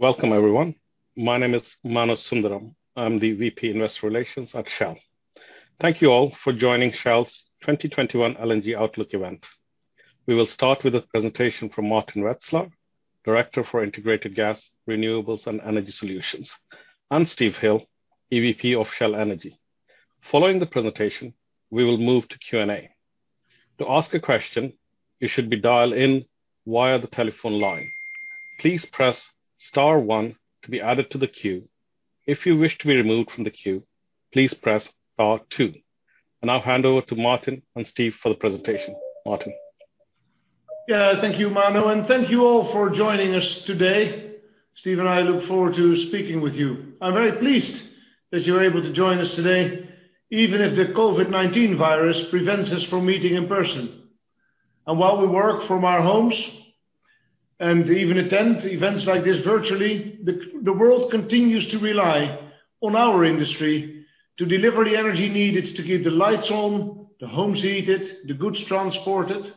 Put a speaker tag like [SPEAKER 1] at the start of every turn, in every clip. [SPEAKER 1] Welcome, everyone. My name is Mano Sundaram. I'm the VP Investor Relations at Shell. Thank you all for joining Shell's 2021 LNG Outlook event. We will start with a presentation from Maarten Wetselaar, Director for Integrated Gas, Renewables, and Energy Solutions, and Steve Hill, EVP of Shell Energy. Following the presentation, we will move to Q&A. To ask a question, you should be dialed in via the telephone line. Please press star one to be added to the queue. If you wish to be removed from the queue, please press star two. I'll now hand over to Maarten and Steve for the presentation. Maarten.
[SPEAKER 2] Yeah. Thank you, Mano, thank you all for joining us today. Steve and I look forward to speaking with you. I'm very pleased that you're able to join us today, even if the COVID-19 prevents us from meeting in person. While we work from our homes and even attend events like this virtually, the world continues to rely on our industry to deliver the energy needed to keep the lights on, the homes heated, the goods transported.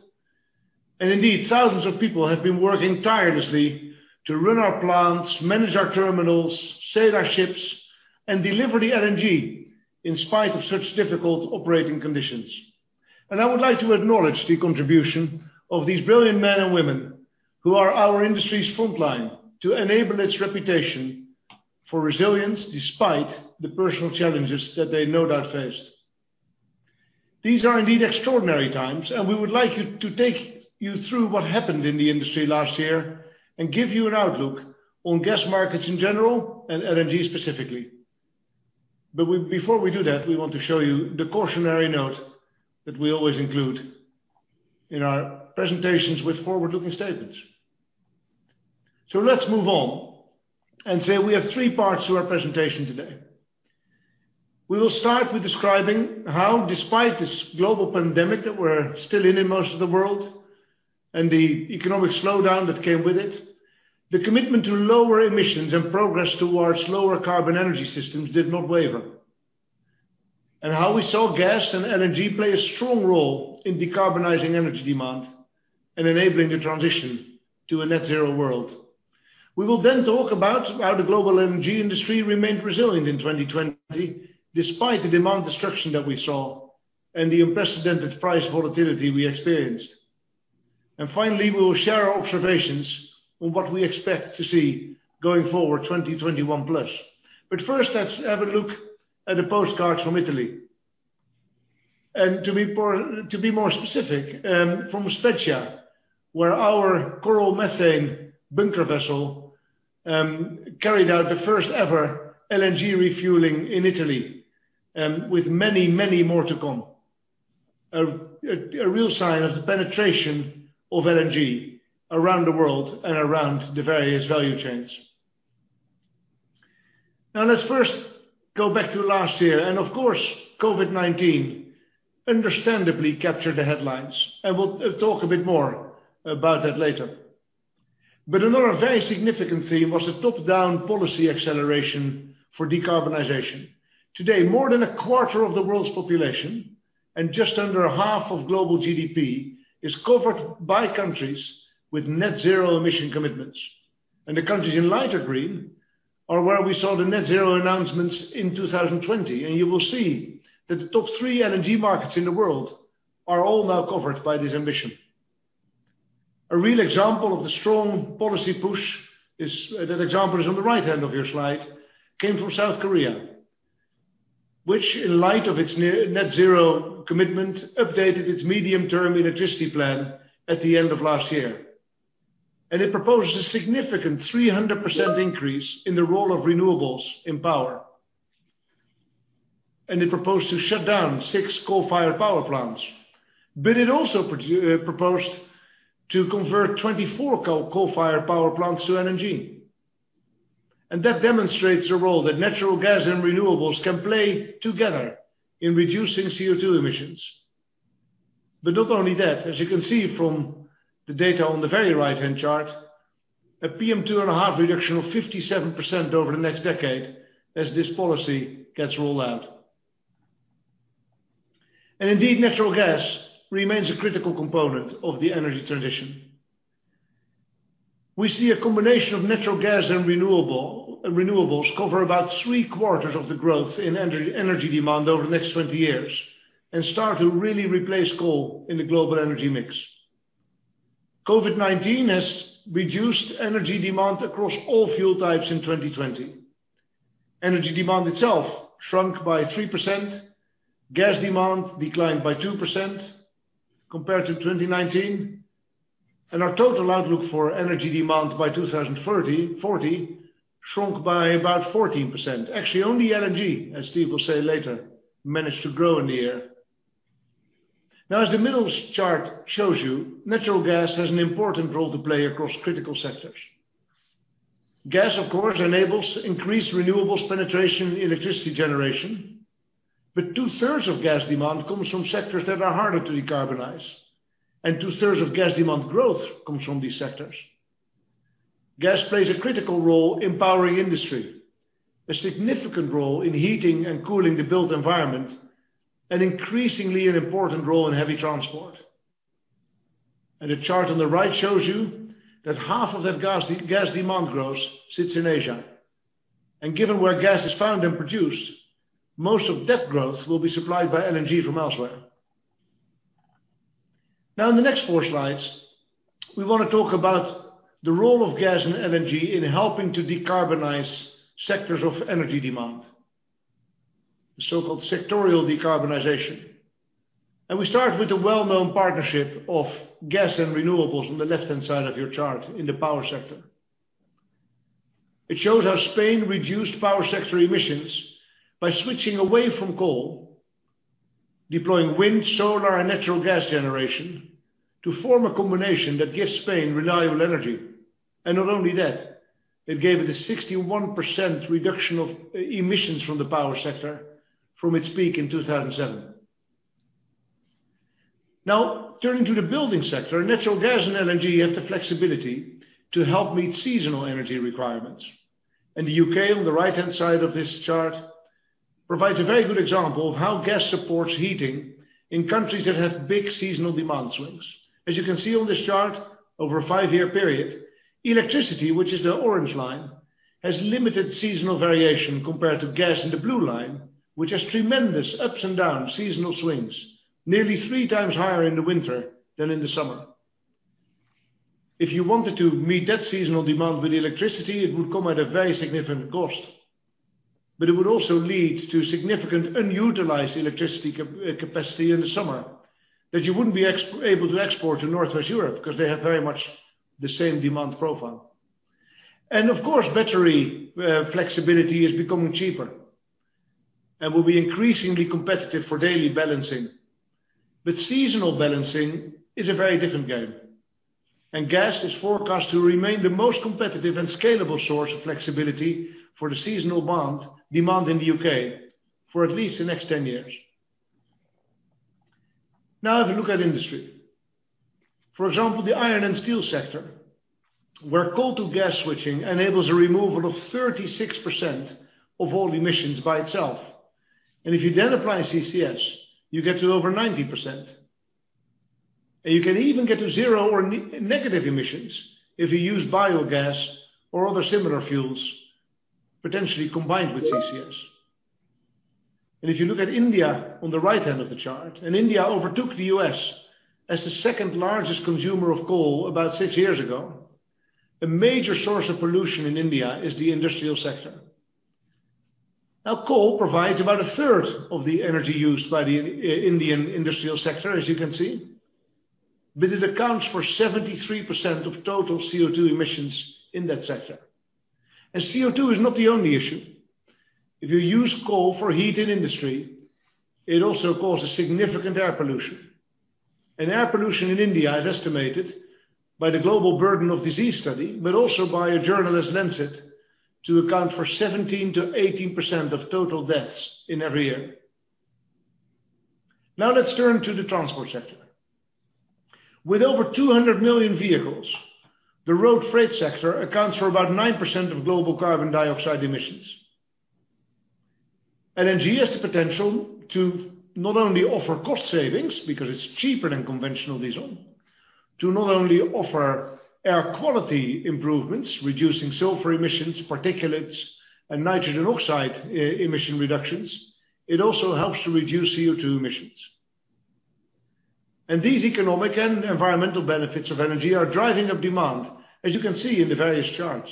[SPEAKER 2] Indeed, thousands of people have been working tirelessly to run our plants, manage our terminals, sail our ships, and deliver the LNG in spite of such difficult operating conditions. I would like to acknowledge the contribution of these brilliant men and women who are our industry's front line to enable its reputation for resilience despite the personal challenges that they no doubt faced. These are indeed extraordinary times, and we would like you to take you through what happened in the industry last year and give you an outlook on gas markets in general and LNG specifically. Before we do that, we want to show you the cautionary note that we always include in our presentations with forward-looking statements. Let's move on and say we have three parts to our presentation today. We will start with describing how, despite this global pandemic that we're still in most of the world, and the economic slowdown that came with it, the commitment to lower emissions and progress towards lower carbon energy systems did not waver. How we saw gas and energy play a strong role in decarbonizing energy demand and enabling the transition to a net-zero world. We will talk about how the global energy industry remained resilient in 2020, despite the demand destruction that we saw and the unprecedented price volatility we experienced. Finally, we will share our observations on what we expect to see going forward, 2021 plus. First, let's have a look at a postcard from Italy. To be more specific, from La Spezia, where our Coral Methane bunker vessel carried out the first-ever LNG refueling in Italy, with many more to come. A real sign of the penetration of energy around the world and around the various value chains. Let's first go back to last year. Of course, COVID-19 understandably captured the headlines. We'll talk a bit more about that later. Another very significant theme was the top-down policy acceleration for decarbonization. Today, more than a quarter of the world's population and just under half of global GDP is covered by countries with net-zero commitments. The countries in lighter green are where we saw the net-zero announcements in 2020. You will see that the top three LNG markets in the world are all now covered by this ambition. A real example of the strong policy push is, that example is on the right-hand of your slide, came from South Korea, which, in light of its net-zero commitment, updated its medium-term electricity plan at the end of last year. It proposed a significant 300% increase in the role of renewables in power. It proposed to shut down six coal-fired power plants. It also proposed to convert 24 coal-fired power plants to LNG. That demonstrates the role that natural gas and renewables can play together in reducing CO₂ emissions. Not only that, as you can see from the data on the very right-hand chart, a PM2.5 reduction of 57% over the next decade as this policy gets rolled out. Indeed, natural gas remains a critical component of the energy transition. We see a combination of natural gas and renewables cover about three-quarters of the growth in energy demand over the next 20 years and start to really replace coal in the global energy mix. COVID-19 has reduced energy demand across all fuel types in 2020. Energy demand itself shrunk by 3%. Gas demand declined by 2% compared to 2019. Our total outlook for energy demand by 2040 shrunk by about 14%. Actually, only LNG, as Steve will say later, managed to grow in the year. Now, as the middle chart shows you, natural gas has an important role to play across critical sectors. Gas, of course, enables increased renewables penetration in electricity generation, but two-thirds of gas demand comes from sectors that are harder to decarbonize. Two-thirds of gas demand growth comes from these sectors. Gas plays a critical role empowering industry, a significant role in heating and cooling the built environment, and increasingly an important role in heavy transport. The chart on the right shows you that half of that gas demand growth sits in Asia. Given where gas is found and produced, most of that growth will be supplied by LNG from elsewhere. In the next four slides, we want to talk about the role of gas and LNG in helping to decarbonize sectors of energy demand, the so-called sectorial decarbonization. We start with the well-known partnership of gas and renewables on the left-hand side of your chart in the power sector. It shows how Spain reduced power sector emissions by switching away from coal, deploying wind, solar, and natural gas generation to form a combination that gives Spain reliable energy. Not only that, it gave it a 61% reduction of emissions from the power sector from its peak in 2007. Now, turning to the building sector, natural gas and LNG have the flexibility to help meet seasonal energy requirements. In the U.K., on the right-hand side of this chart, provides a very good example of how gas supports heating in countries that have big seasonal demand swings. As you can see on this chart, over a five-year period, electricity, which is the orange line, has limited seasonal variation compared to gas in the blue line, which has tremendous ups and down seasonal swings, nearly three times higher in the winter than in the summer. If you wanted to meet that seasonal demand with electricity, it would come at a very significant cost, but it would also lead to significant unutilized electricity capacity in the summer that you wouldn't be able to export to Northwest Europe because they have very much the same demand profile. Of course, battery flexibility is becoming cheaper and will be increasingly competitive for daily balancing. Seasonal balancing is a very different game, and gas is forecast to remain the most competitive and scalable source of flexibility for the seasonal demand in the U.K. for at least the next 10 years. Now, have a look at industry. For example, the iron and steel sector, where coal-to-gas switching enables a removal of 36% of all emissions by itself. If you then apply CCS, you get to over 90%. You can even get to zero or negative emissions if you use biogas or other similar fuels, potentially combined with CCS. If you look at India on the right-hand of the chart, India overtook the U.S. as the second-largest consumer of coal about six years ago. A major source of pollution in India is the industrial sector. Now coal provides about a third of the energy used by the Indian industrial sector, as you can see. It accounts for 73% of total CO₂ emissions in that sector. CO₂ is not the only issue. If you use coal for heat in industry, it also causes significant air pollution. Air pollution in India is estimated by the Global Burden of Disease Study, but also by a journal, "The Lancet," to account for 17%-18% of total deaths in every year. Now let's turn to the transport sector. With over 200 million vehicles, the road freight sector accounts for about 9% of global carbon dioxide emissions. LNG has the potential to not only offer cost savings because it's cheaper than conventional diesel, to not only offer air quality improvements, reducing sulfur emissions, particulates, and nitrogen oxide emission reductions, it also helps to reduce CO₂ emissions. These economic and environmental benefits of LNG are driving up demand, as you can see in the various charts.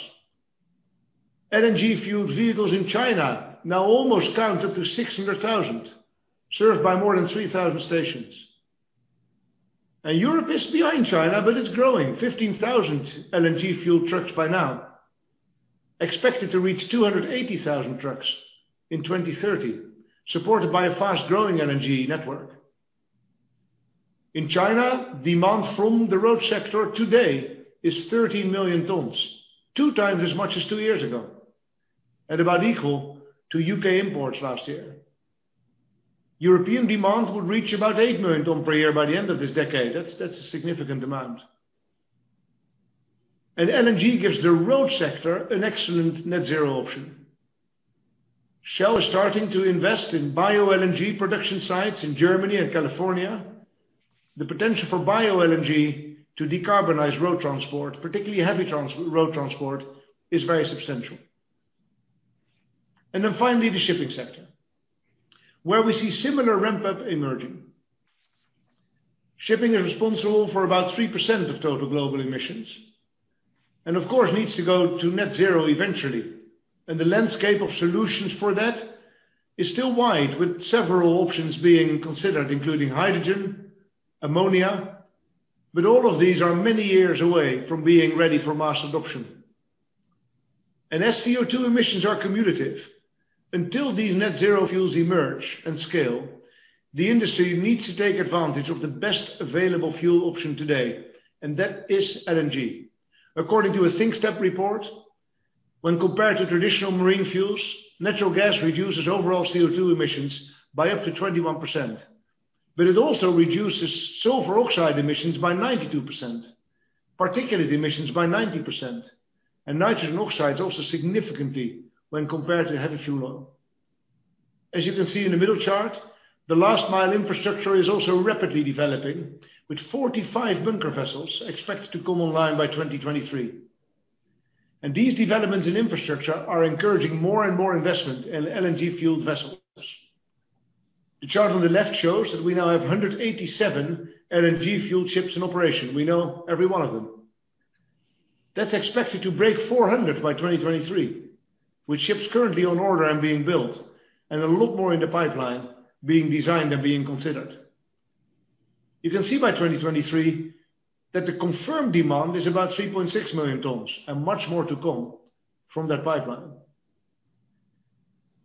[SPEAKER 2] LNG-fueled vehicles in China now almost count up to 600,000, served by more than 3,000 stations. Europe is behind China, but it's growing. 15,000 LNG-fueled trucks by now, expected to reach 280,000 trucks in 2030, supported by a fast-growing LNG network. In China, demand from the road sector today is 13 million tons, two times as much as two years ago, and about equal to U.K. imports last year. European demand will reach about 8 million tons per year by the end of this decade. That's a significant amount. LNG gives the road sector an excellent net-zero option. Shell is starting to invest in Bio-LNG production sites in Germany and California. The potential for Bio-LNG to decarbonize road transport, particularly heavy road transport, is very substantial. Finally, the shipping sector, where we see similar ramp-up emerging. Shipping is responsible for about 3% of total global emissions, and of course, needs to go to net-zero eventually. The landscape of solutions for that is still wide, with several options being considered, including hydrogen, ammonia, but all of these are many years away from being ready for mass adoption. As CO₂ emissions are cumulative, until these net-zero fuels emerge and scale, the industry needs to take advantage of the best available fuel option today, and that is LNG. According to a thinkstep report, when compared to traditional marine fuels, natural gas reduces overall CO₂ emissions by up to 21%, but it also reduces sulfur oxide emissions by 92%, particulate emissions by 90%, and nitrogen oxides also significantly when compared to heavy fuel oil. As you can see in the middle chart, the last mile infrastructure is also rapidly developing, with 45 bunker vessels expected to come online by 2023. These developments in infrastructure are encouraging more and more investment in LNG-fueled vessels. The chart on the left shows that we now have 187 LNG-fueled ships in operation. We know every one of them. That's expected to break 400 by 2023, with ships currently on order and being built, and a lot more in the pipeline being designed and being considered. You can see by 2023 that the confirmed demand is about 3.6 million tons, and much more to come from that pipeline.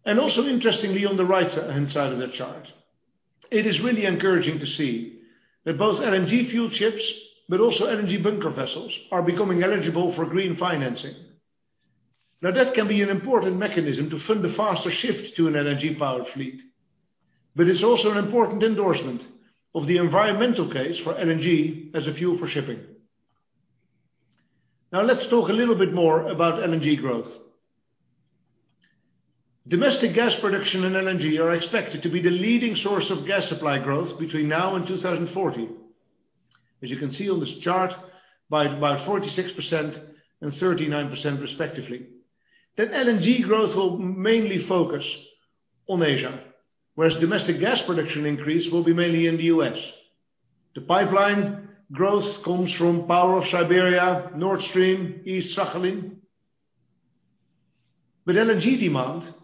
[SPEAKER 2] Also interestingly, on the right-hand side of that chart, it is really encouraging to see that both LNG-fueled ships but also LNG bunker vessels are becoming eligible for green financing. That can be an important mechanism to fund a faster shift to an LNG-powered fleet, but it's also an important endorsement of the environmental case for LNG as a fuel for shipping. Let's talk a little bit more about LNG growth. Domestic gas production and LNG are expected to be the leading source of gas supply growth between now and 2040. As you can see on this chart, by about 46% and 39% respectively. That LNG growth will mainly focus on Asia, whereas domestic gas production increase will be mainly in the U.S. The pipeline growth comes from Power of Siberia, Nord Stream, East Sakhalin. LNG demand,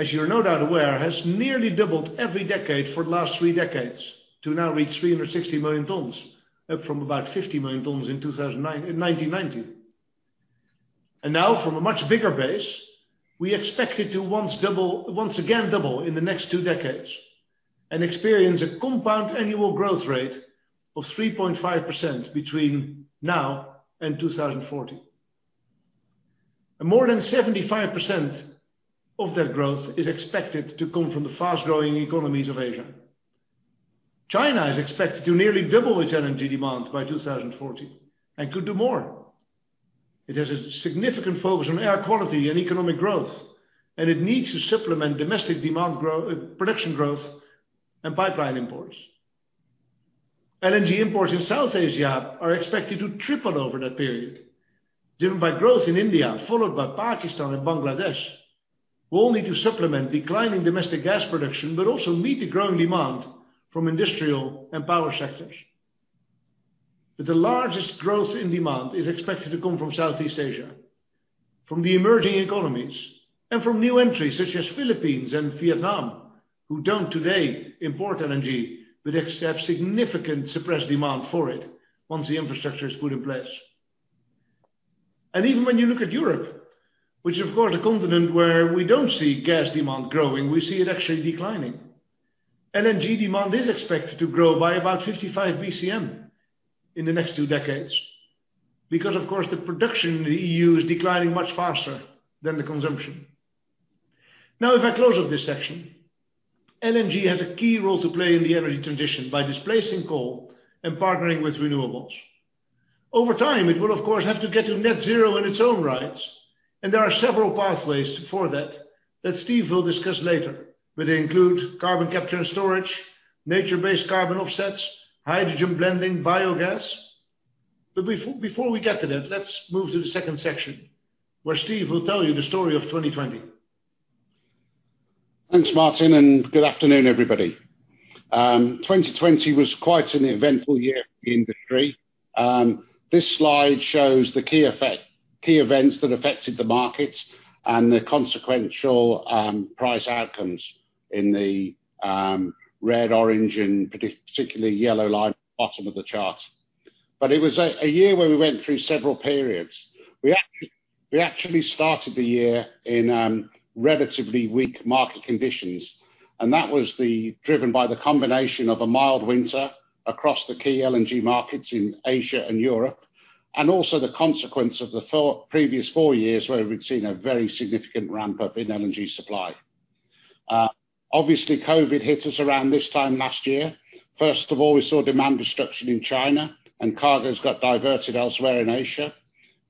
[SPEAKER 2] as you're no doubt aware, has nearly doubled every decade for the last three decades to now reach 360 million tons up from about 50 million tons in 1990. Now from a much bigger base, we expect it to once again double in the next two decades and experience a compound annual growth rate of 3.5% between now and 2040. More than 75% of that growth is expected to come from the fast-growing economies of Asia. China is expected to nearly double its LNG demand by 2040 and could do more. It has a significant focus on air quality and economic growth, and it needs to supplement domestic production growth and pipeline imports. LNG imports in South Asia are expected to triple over that period, driven by growth in India, followed by Pakistan and Bangladesh, who all need to supplement declining domestic gas production but also meet the growing demand from industrial and power sectors. The largest growth in demand is expected to come from Southeast Asia, from the emerging economies, and from new entries such as Philippines and Vietnam, who don't today import LNG but are set to have significant suppressed demand for it once the infrastructure is put in place. Even when you look at Europe, which of course a continent where we don't see gas demand growing, we see it actually declining. LNG demand is expected to grow by about 55 bcm in the next two decades because, of course, the production in the EU is declining much faster than the consumption. If I close up this section, LNG has a key role to play in the energy transition by displacing coal and partnering with renewables. Over time, it will of course have to get to net-zero in its own rights, and there are several pathways for that that Steve will discuss later. They include carbon capture and storage, nature-based carbon offsets, hydrogen blending, biogas. Before we get to that, let's move to the second section, where Steve will tell you the story of 2020.
[SPEAKER 3] Thanks, Maarten, good afternoon, everybody. 2020 was quite an eventful year for the industry. This slide shows the key events that affected the markets and the consequential price outcomes in the red, orange, and particularly yellow line at the bottom of the chart. It was a year where we went through several periods. We actually started the year in relatively weak market conditions, and that was driven by the combination of a mild winter across the key LNG markets in Asia and Europe, and also the consequence of the previous four years, where we'd seen a very significant ramp-up in LNG supply. Obviously, COVID-19 hit us around this time last year. First of all, we saw demand destruction in China and cargoes got diverted elsewhere in Asia.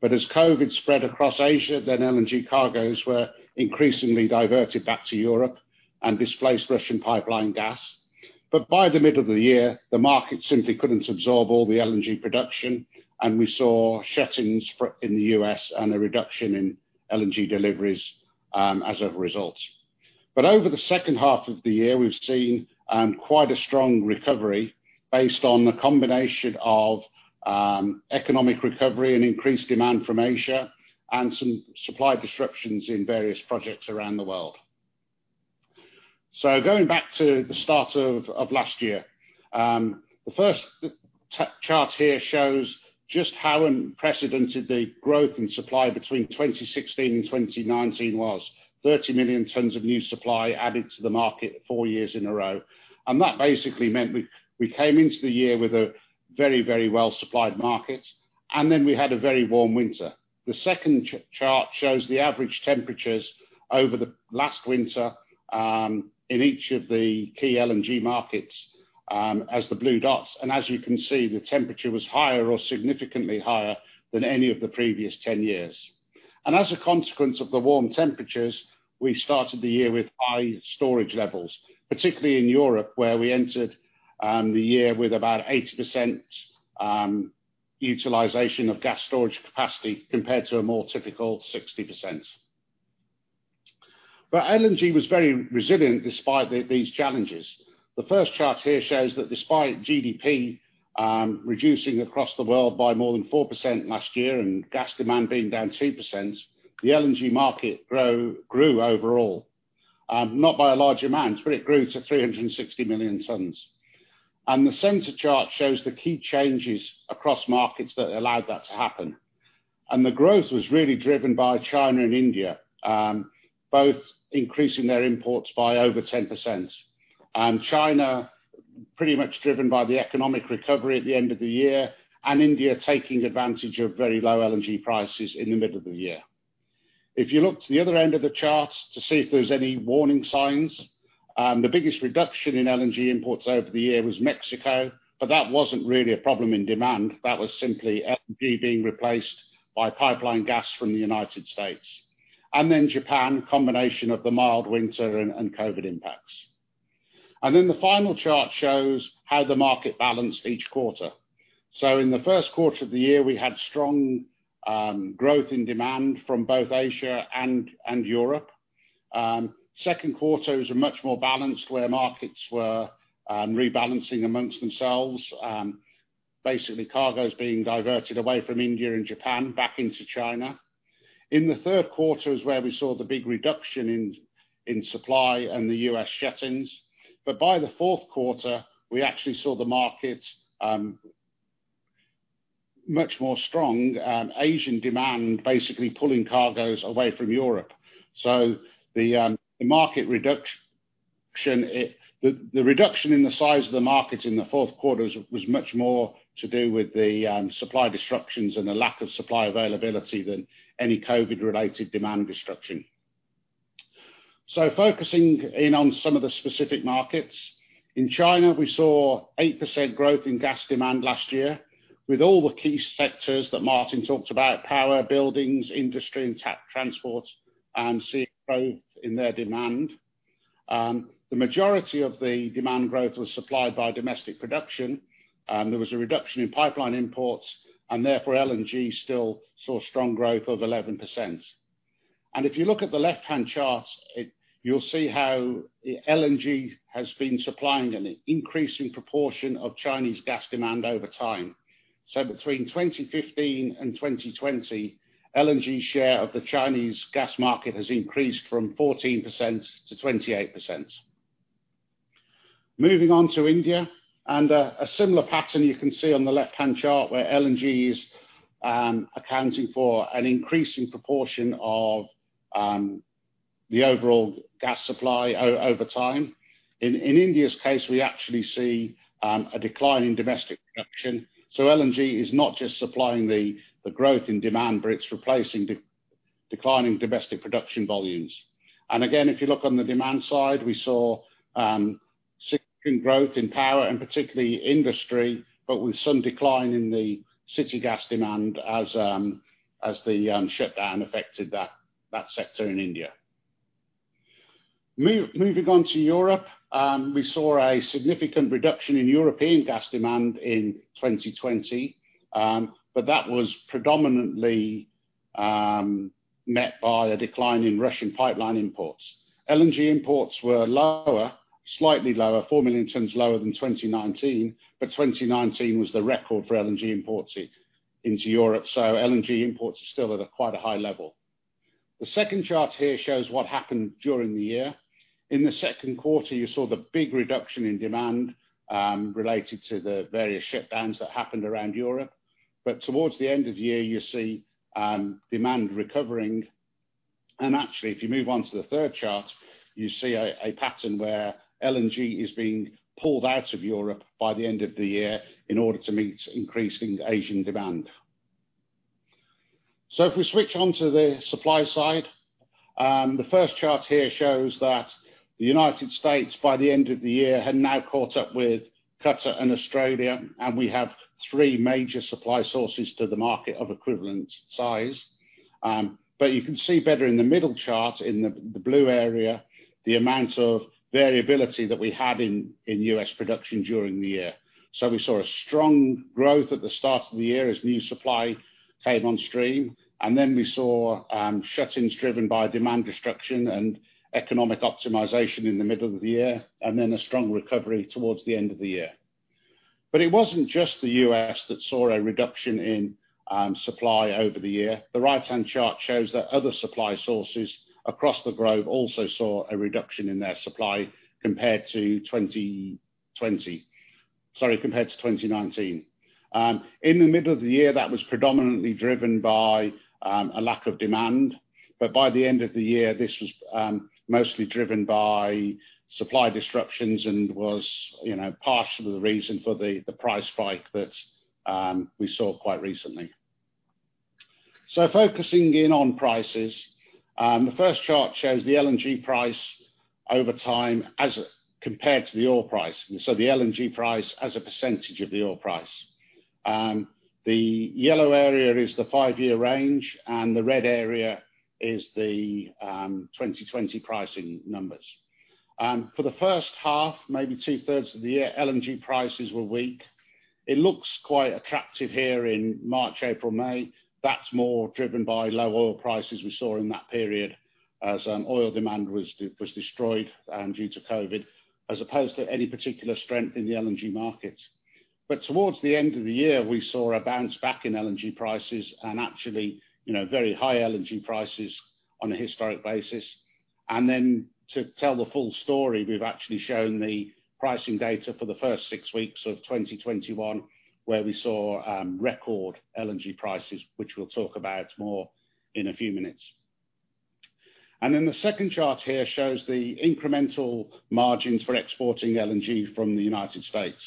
[SPEAKER 3] As COVID-19 spread across Asia, then LNG cargoes were increasingly diverted back to Europe and displaced Russian pipeline gas. By the middle of the year, the market simply couldn't absorb all the LNG production, and we saw shut-ins in the U.S. and a reduction in LNG deliveries as a result. Over the second half of the year, we've seen quite a strong recovery based on the combination of economic recovery and increased demand from Asia and some supply disruptions in various projects around the world. Going back to the start of last year, the first chart here shows just how unprecedented the growth in supply between 2016 and 2019 was. 30 million tons of new supply added to the market four years in a row. That basically meant we came into the year with a very well-supplied market, and then we had a very warm winter. The second chart shows the average temperatures over the last winter in each of the key LNG markets as the blue dots. As you can see, the temperature was higher or significantly higher than any of the previous 10 years. As a consequence of the warm temperatures, we started the year with high storage levels, particularly in Europe, where we entered the year with about 80% utilization of gas storage capacity, compared to a more typical 60%. LNG was very resilient despite these challenges. The first chart here shows that despite GDP reducing across the world by more than 4% last year, and gas demand being down 2%, the LNG market grew overall. Not by a large amount, but it grew to 360 million tons. The center chart shows the key changes across markets that allowed that to happen. The growth was really driven by China and India, both increasing their imports by over 10%. China pretty much driven by the economic recovery at the end of the year, and India taking advantage of very low LNG prices in the middle of the year. If you look to the other end of the chart to see if there's any warning signs, the biggest reduction in LNG imports over the year was Mexico, but that wasn't really a problem in demand. That was simply LNG being replaced by pipeline gas from the U.S. Japan, combination of the mild winter and COVID-19 impacts. The final chart shows how the market balanced each quarter. In the first quarter of the year, we had strong growth in demand from both Asia and Europe. Second quarter was a much more balanced, where markets were rebalancing among themselves. Basically, cargoes being diverted away from India and Japan back into China. In the third quarter is where we saw the big reduction in supply and the U.S. shut-ins. By the fourth quarter, we actually saw the market much more strong. Asian demand basically pulling cargoes away from Europe. The reduction in the size of the market in the fourth quarter was much more to do with the supply disruptions and the lack of supply availability than any COVID-19 related demand disruption. Focusing in on some of the specific markets. In China, we saw 8% growth in gas demand last year, with all the key sectors that Maarten talked about, power, buildings, industry and transport, and seeing growth in their demand. The majority of the demand growth was supplied by domestic production. There was a reduction in pipeline imports, and therefore LNG still saw strong growth of 11%. If you look at the left-hand chart, you'll see how LNG has been supplying an increasing proportion of Chinese gas demand over time. Between 2015 and 2020, LNG share of the Chinese gas market has increased from 14% to 28%. Moving on to India, a similar pattern you can see on the left-hand chart where LNG is accounting for an increasing proportion of the overall gas supply over time. In India's case, we actually see a decline in domestic production. LNG is not just supplying the growth in demand, but it's replacing declining domestic production volumes. Again, if you look on the demand side, we saw significant growth in power and particularly industry, but with some decline in the city gas demand as the shutdown affected that sector in India. Moving on to Europe, we saw a significant reduction in European gas demand in 2020, but that was predominantly met by a decline in Russian pipeline imports. LNG imports were lower, slightly lower, 4 million tons lower than 2019, but 2019 was the record for LNG imports into Europe, so LNG imports are still at quite a high level. The second chart here shows what happened during the year. In the second quarter, you saw the big reduction in demand related to the various shutdowns that happened around Europe. Towards the end of the year, you see demand recovering. Actually, if you move on to the third chart, you see a pattern where LNG is being pulled out of Europe by the end of the year in order to meet increasing Asian demand. If we switch on to the supply side, the first chart here shows that the U.S., by the end of the year, had now caught up with Qatar and Australia, and we have three major supply sources to the market of equivalent size. You can see better in the middle chart in the blue area, the amount of variability that we had in U.S. production during the year. We saw a strong growth at the start of the year as new supply came on stream, and then we saw shut-ins driven by demand destruction and economic optimization in the middle of the year, and then a strong recovery towards the end of the year. It wasn't just the U.S. that saw a reduction in supply over the year. The right-hand chart shows that other supply sources across the globe also saw a reduction in their supply compared to 2020. Sorry, compared to 2019. In the middle of the year, that was predominantly driven by a lack of demand. By the end of the year, this was mostly driven by supply disruptions and was partially the reason for the price hike that we saw quite recently. Focusing in on prices. The first chart shows the LNG price over time as compared to the oil price, and so the LNG price as a percentage of the oil price. The yellow area is the five-year range, and the red area is the 2020 pricing numbers. For the first half, maybe two-thirds of the year, LNG prices were weak. It looks quite attractive here in March, April, May. That's more driven by low oil prices we saw in that period as oil demand was destroyed due to COVID, as opposed to any particular strength in the LNG markets. Towards the end of the year, we saw a bounce-back in LNG prices and actually very high LNG prices on a historic basis. To tell the full story, we've actually shown the pricing data for the first six weeks of 2021, where we saw record LNG prices, which we'll talk about more in a few minutes. The second chart here shows the incremental margins for exporting LNG from the United States.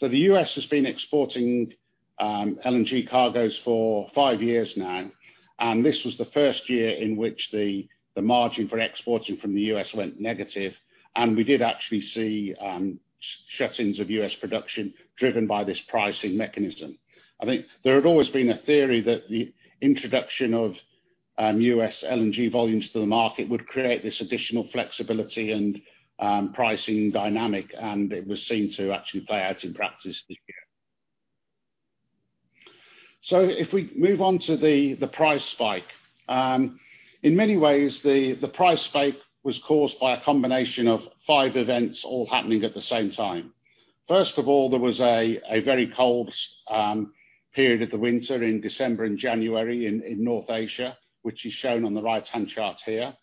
[SPEAKER 3] The U.S. has been exporting LNG cargoes for five years now, and this was the first year in which the margin for exporting from the U.S. went negative, and we did actually see shut-ins of U.S. production driven by this pricing mechanism. I think there had always been a theory that the introduction of U.S. LNG volumes to the market would create this additional flexibility and pricing dynamic, and it was seen to actually play out in practice this year. If we move on to the price spike. In many ways, the price spike was caused by a combination of five events all happening at the same time. First of all, there was a very cold period of the winter in December and January in North Asia, which is shown on the right-hand chart here.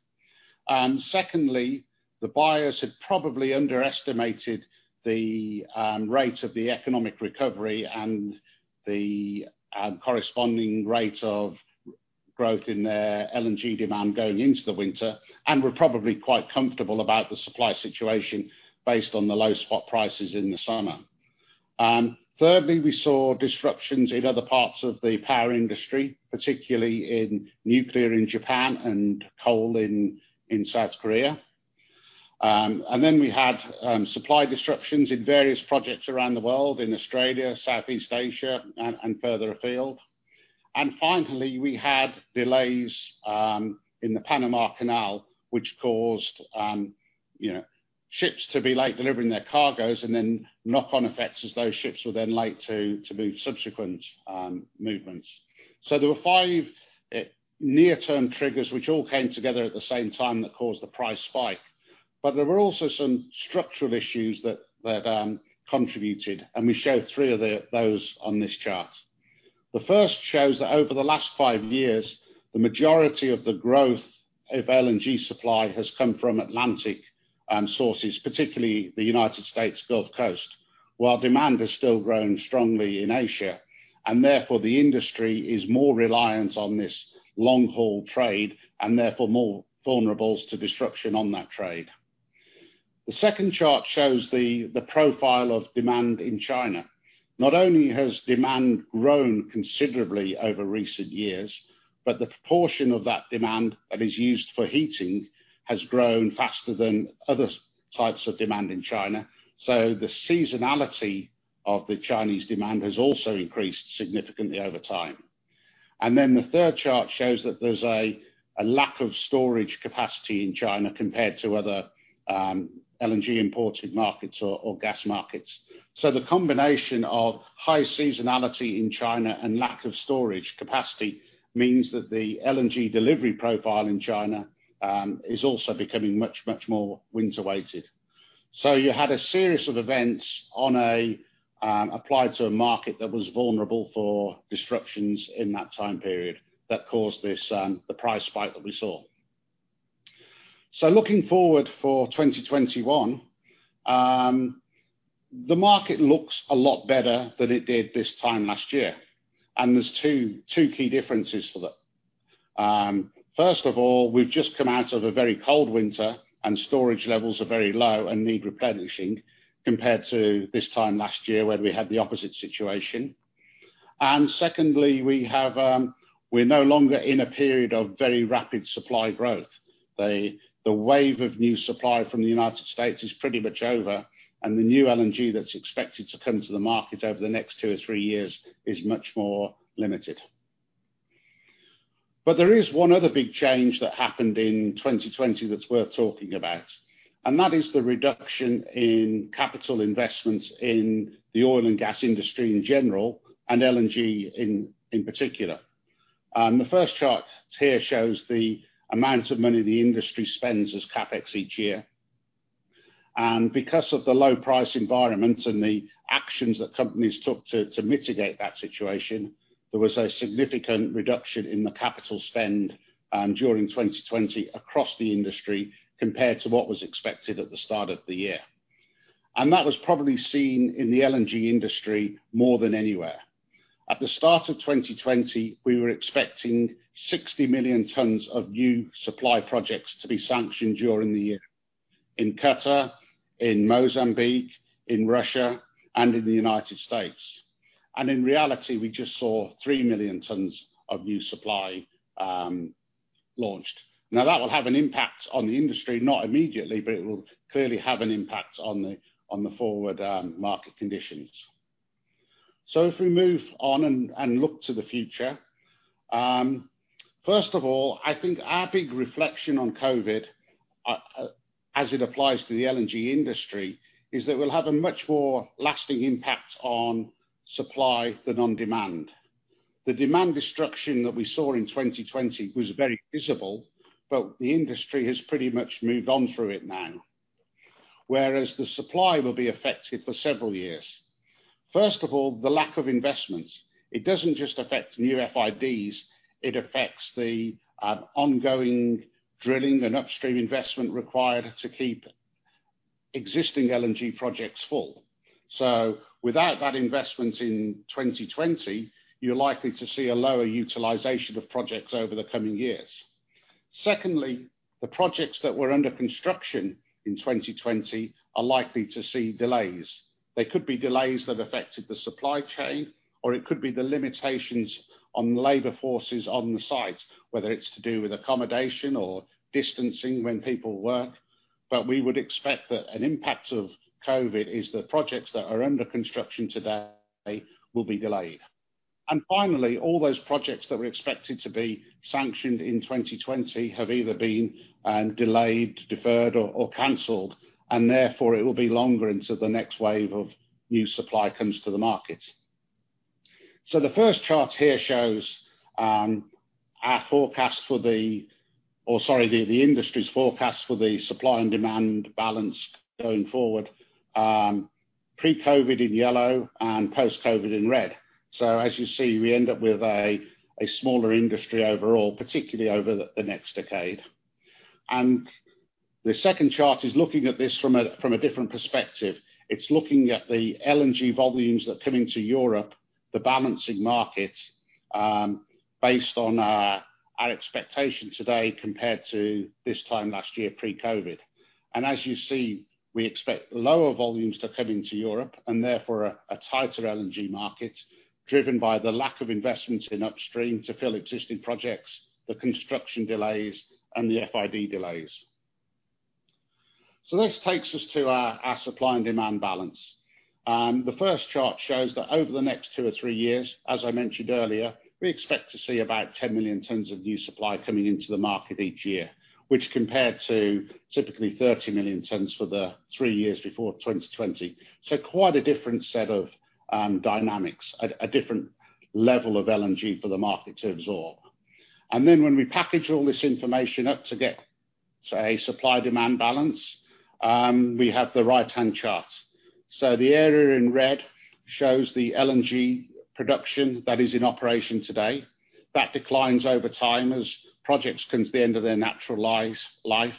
[SPEAKER 3] Secondly, the buyers had probably underestimated the rate of the economic recovery and the corresponding rate of growth in their LNG demand going into the winter and were probably quite comfortable about the supply situation based on the low spot prices in the summer. Thirdly, we saw disruptions in other parts of the power industry, particularly in nuclear in Japan and coal in South Korea. Then we had supply disruptions in various projects around the world, in Australia, Southeast Asia, and further afield. Finally, we had delays in the Panama Canal, which caused ships to be late delivering their cargoes and knock-on effects as those ships were then late to move subsequent movements. There were five near-term triggers which all came together at the same time that caused the price spike. There were also some structural issues that contributed, and we show three of those on this chart. The first shows that over the last five years, the majority of the growth of LNG supply has come from Atlantic sources, particularly the United States Gulf Coast, while demand has still grown strongly in Asia. Therefore, the industry is more reliant on this long-haul trade and, therefore, more vulnerable to disruption on that trade. The second chart shows the profile of demand in China. Not only has demand grown considerably over recent years, but the proportion of that demand that is used for heating has grown faster than other types of demand in China. The seasonality of the Chinese demand has also increased significantly over time. The third chart shows that there's a lack of storage capacity in China compared to other LNG-imported markets or gas markets. The combination of high seasonality in China and lack of storage capacity means that the LNG delivery profile in China is also becoming much, much more winter-weighted. You had a series of events applied to a market that was vulnerable for disruptions in that time period that caused the price spike that we saw. Looking forward for 2021, the market looks a lot better than it did this time last year, and there's two key differences for that. First of all, we've just come out of a very cold winter, and storage levels are very low and need replenishing compared to this time last year, where we had the opposite situation. Secondly, we're no longer in a period of very rapid supply growth. The wave of new supply from the United States is pretty much over, and the new LNG that's expected to come to the market over the next two or three years is much more limited. There is one other big change that happened in 2020 that's worth talking about, and that is the reduction in capital investments in the oil and gas industry in general, and LNG in particular. The first chart here shows the amount of money the industry spends as CapEx each year. Because of the low price environment and the actions that companies took to mitigate that situation, there was a significant reduction in the capital spend during 2020 across the industry compared to what was expected at the start of the year. That was probably seen in the LNG industry more than anywhere. At the start of 2020, we were expecting 60 million tons of new supply projects to be sanctioned during the year in Qatar, in Mozambique, in Russia, and in the U.S. In reality, we just saw 3 million tons of new supply launched. Now, that will have an impact on the industry, not immediately, but it will clearly have an impact on the forward market conditions. If we move on and look to the future, first of all, I think our big reflection on COVID, as it applies to the LNG industry, is that it'll have a much more lasting impact on supply than on demand. The demand destruction that we saw in 2020 was very visible, but the industry has pretty much moved on through it now. Whereas the supply will be affected for several years. First of all, the lack of investments, it doesn't just affect new FIDs, it affects the ongoing drilling and upstream investment required to keep existing LNG projects full. Without that investment in 2020, you're likely to see a lower utilization of projects over the coming years. Secondly, the projects that were under construction in 2020 are likely to see delays. They could be delays that affected the supply chain, or it could be the limitations on labor forces on the site, whether it's to do with accommodation or distancing when people work. We would expect that an impact of COVID is the projects that are under construction today will be delayed. Finally, all those projects that were expected to be sanctioned in 2020 have either been delayed, deferred, or canceled, and therefore it will be longer until the next wave of new supply comes to the market. The first chart here shows our forecast for the industry's forecast for the supply and demand balance going forward, pre-COVID in yellow and post-COVID in red. As you see, we end up with a smaller industry overall, particularly over the next decade. The second chart is looking at this from a different perspective. It's looking at the LNG volumes that come into Europe, the balancing market, based on our expectation today compared to this time last year pre-COVID-19. As you see, we expect lower volumes to come into Europe, and therefore a tighter LNG market driven by the lack of investment in upstream to fill existing projects, the construction delays, and the FID delays. This takes us to our supply and demand balance. The first chart shows that over the next two or three years, as I mentioned earlier, we expect to see about 10 million tons of new supply coming into the market each year, which compared to typically 30 million tons for the three years before 2020. Quite a different set of dynamics, a different level of LNG for the market to absorb. When we package all this information up to get, say, supply-demand balance, we have the right-hand chart. The area in red shows the LNG production that is in operation today. That declines over time as projects come to the end of their natural life.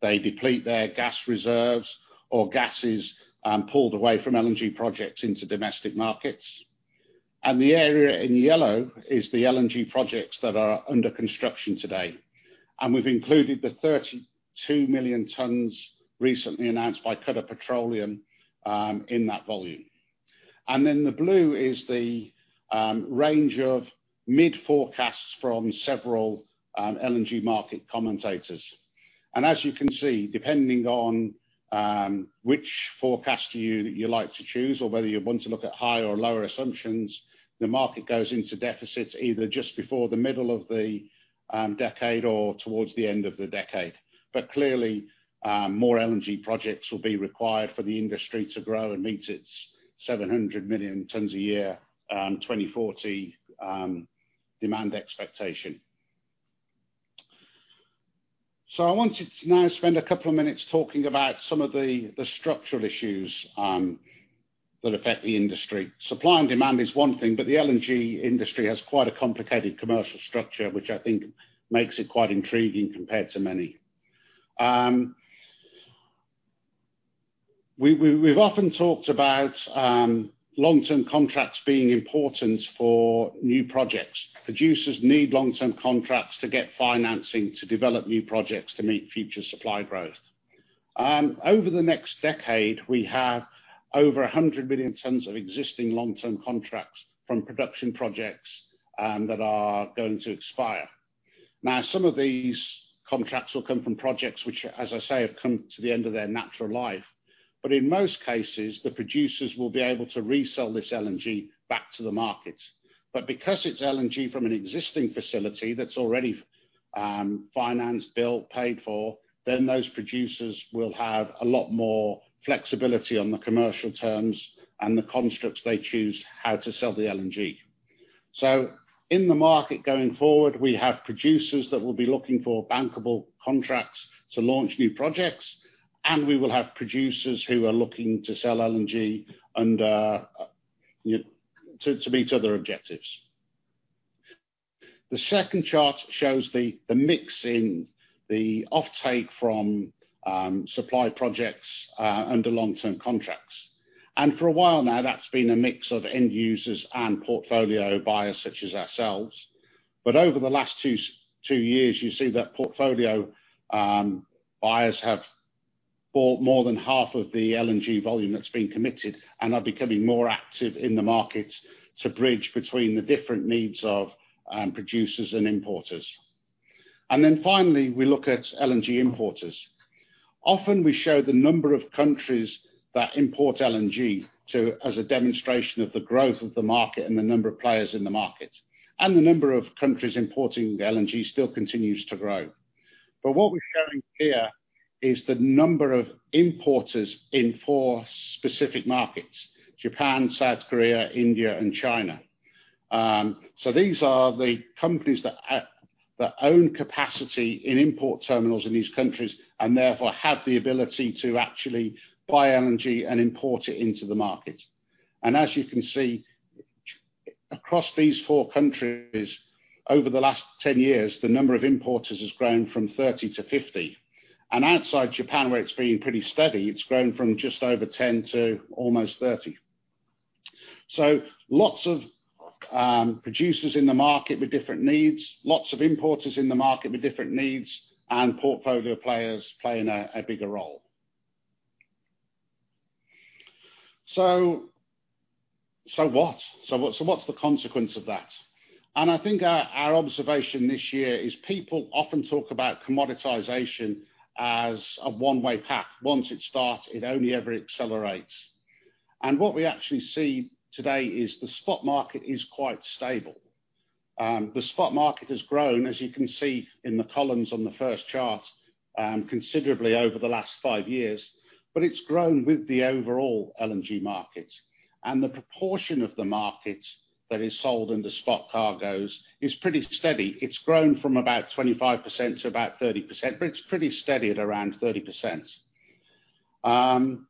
[SPEAKER 3] They deplete their gas reserves or gas is pulled away from LNG projects into domestic markets. The area in yellow is the LNG projects that are under construction today, and we've included the 32 million tons recently announced by Qatar Petroleum in that volume. The blue is the range of mid forecasts from several LNG market commentators. As you can see, depending on which forecast you like to choose or whether you want to look at higher or lower assumptions, the market goes into deficits either just before the middle of the decade or towards the end of the decade. Clearly, more LNG projects will be required for the industry to grow and meet its 700 million tons a year 2040 demand expectation. I wanted to now spend a couple of minutes talking about some of the structural issues that affect the industry. Supply and demand is one thing, but the LNG industry has quite a complicated commercial structure, which I think makes it quite intriguing compared to many. We've often talked about long-term contracts being important for new projects. Producers need long-term contracts to get financing to develop new projects to meet future supply growth. Over the next decade, we have over 100 million tons of existing long-term contracts from production projects that are going to expire. Some of these contracts will come from projects which, as I say, have come to the end of their natural life. In most cases, the producers will be able to resell this LNG back to the market. Because it's LNG from an existing facility that's already financed, built, paid for, those producers will have a lot more flexibility on the commercial terms and the constructs they choose how to sell the LNG. In the market going forward, we have producers that will be looking for bankable contracts to launch new projects, and we will have producers who are looking to sell LNG to meet other objectives. The second chart shows the mix in the offtake from supply projects under long-term contracts. For a while now, that's been a mix of end users and portfolio buyers such as ourselves. Over the last two years, you see that portfolio buyers have bought more than half of the LNG volume that's been committed and are becoming more active in the market to bridge between the different needs of producers and importers. Finally, we look at LNG importers. Often we show the number of countries that import LNG as a demonstration of the growth of the market and the number of players in the market. The number of countries importing LNG still continues to grow. What we're showing here is the number of importers in four specific markets, Japan, South Korea, India, and China. These are the companies that own capacity in import terminals in these countries and therefore have the ability to actually buy LNG and import it into the market. As you can see, across these four countries over the last 10 years, the number of importers has grown from 30 to 50. Outside Japan, where it's been pretty steady, it's grown from just over 10 to almost 30. Lots of producers in the market with different needs, lots of importers in the market with different needs, and portfolio players playing a bigger role. What's the consequence of that? I think our observation this year is people often talk about commoditization as a one-way path. Once it starts, it only ever accelerates. What we actually see today is the spot market is quite stable. The spot market has grown, as you can see in the columns on the first chart, considerably over the last five years, but it's grown with the overall LNG market. The proportion of the market that is sold into spot cargoes is pretty steady. It's grown from about 25% to about 30%, but it's pretty steady at around 30%. Rather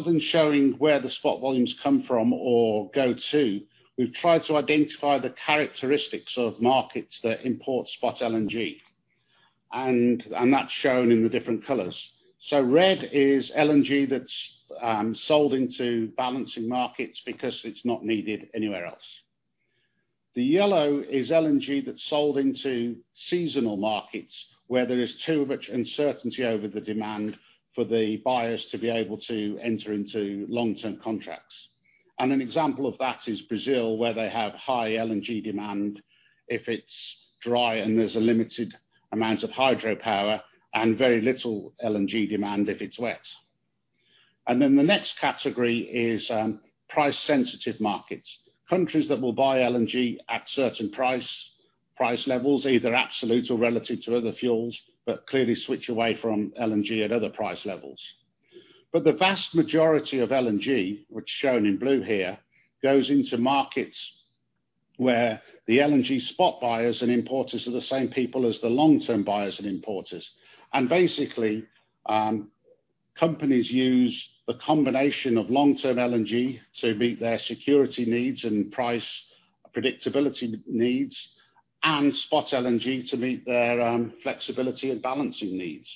[SPEAKER 3] than showing where the spot volumes come from or go to, we've tried to identify the characteristics of markets that import spot LNG, and that's shown in the different colors. Red is LNG that's sold into balancing markets because it's not needed anywhere else. The yellow is LNG that's sold into seasonal markets where there is too much uncertainty over the demand for the buyers to be able to enter into long-term contracts. An example of that is Brazil, where they have high LNG demand if it's dry and there's a limited amount of hydropower, and very little LNG demand if it's wet. The next category is price-sensitive markets. Countries that will buy LNG at certain price levels, either absolute or relative to other fuels, but clearly switch away from LNG at other price levels. The vast majority of LNG, which is shown in blue here, goes into markets where the LNG spot buyers and importers are the same people as the long-term buyers and importers. Basically, companies use the combination of long-term LNG to meet their security needs and price predictability needs, and spot LNG to meet their flexibility and balancing needs.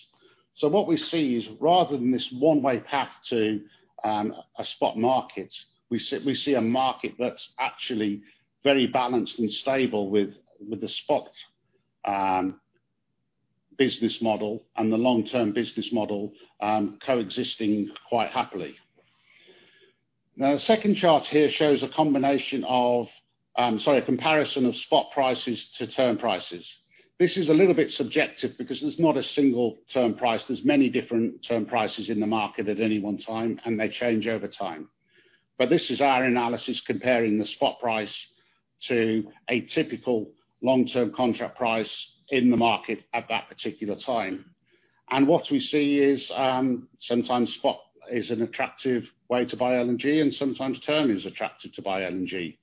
[SPEAKER 3] What we see is rather than this one-way path to a spot market, we see a market that's actually very balanced and stable, with the spot business model and the long-term business model coexisting quite happily. The second chart here shows a comparison of spot prices to term prices. This is a little bit subjective because there's not a single term price. There's many different term prices in the market at any one time, and they change over time. This is our analysis comparing the spot price to a typical long-term contract price in the market at that particular time. What we see is sometimes spot is an attractive way to buy LNG, and sometimes term is attractive to buy LNG.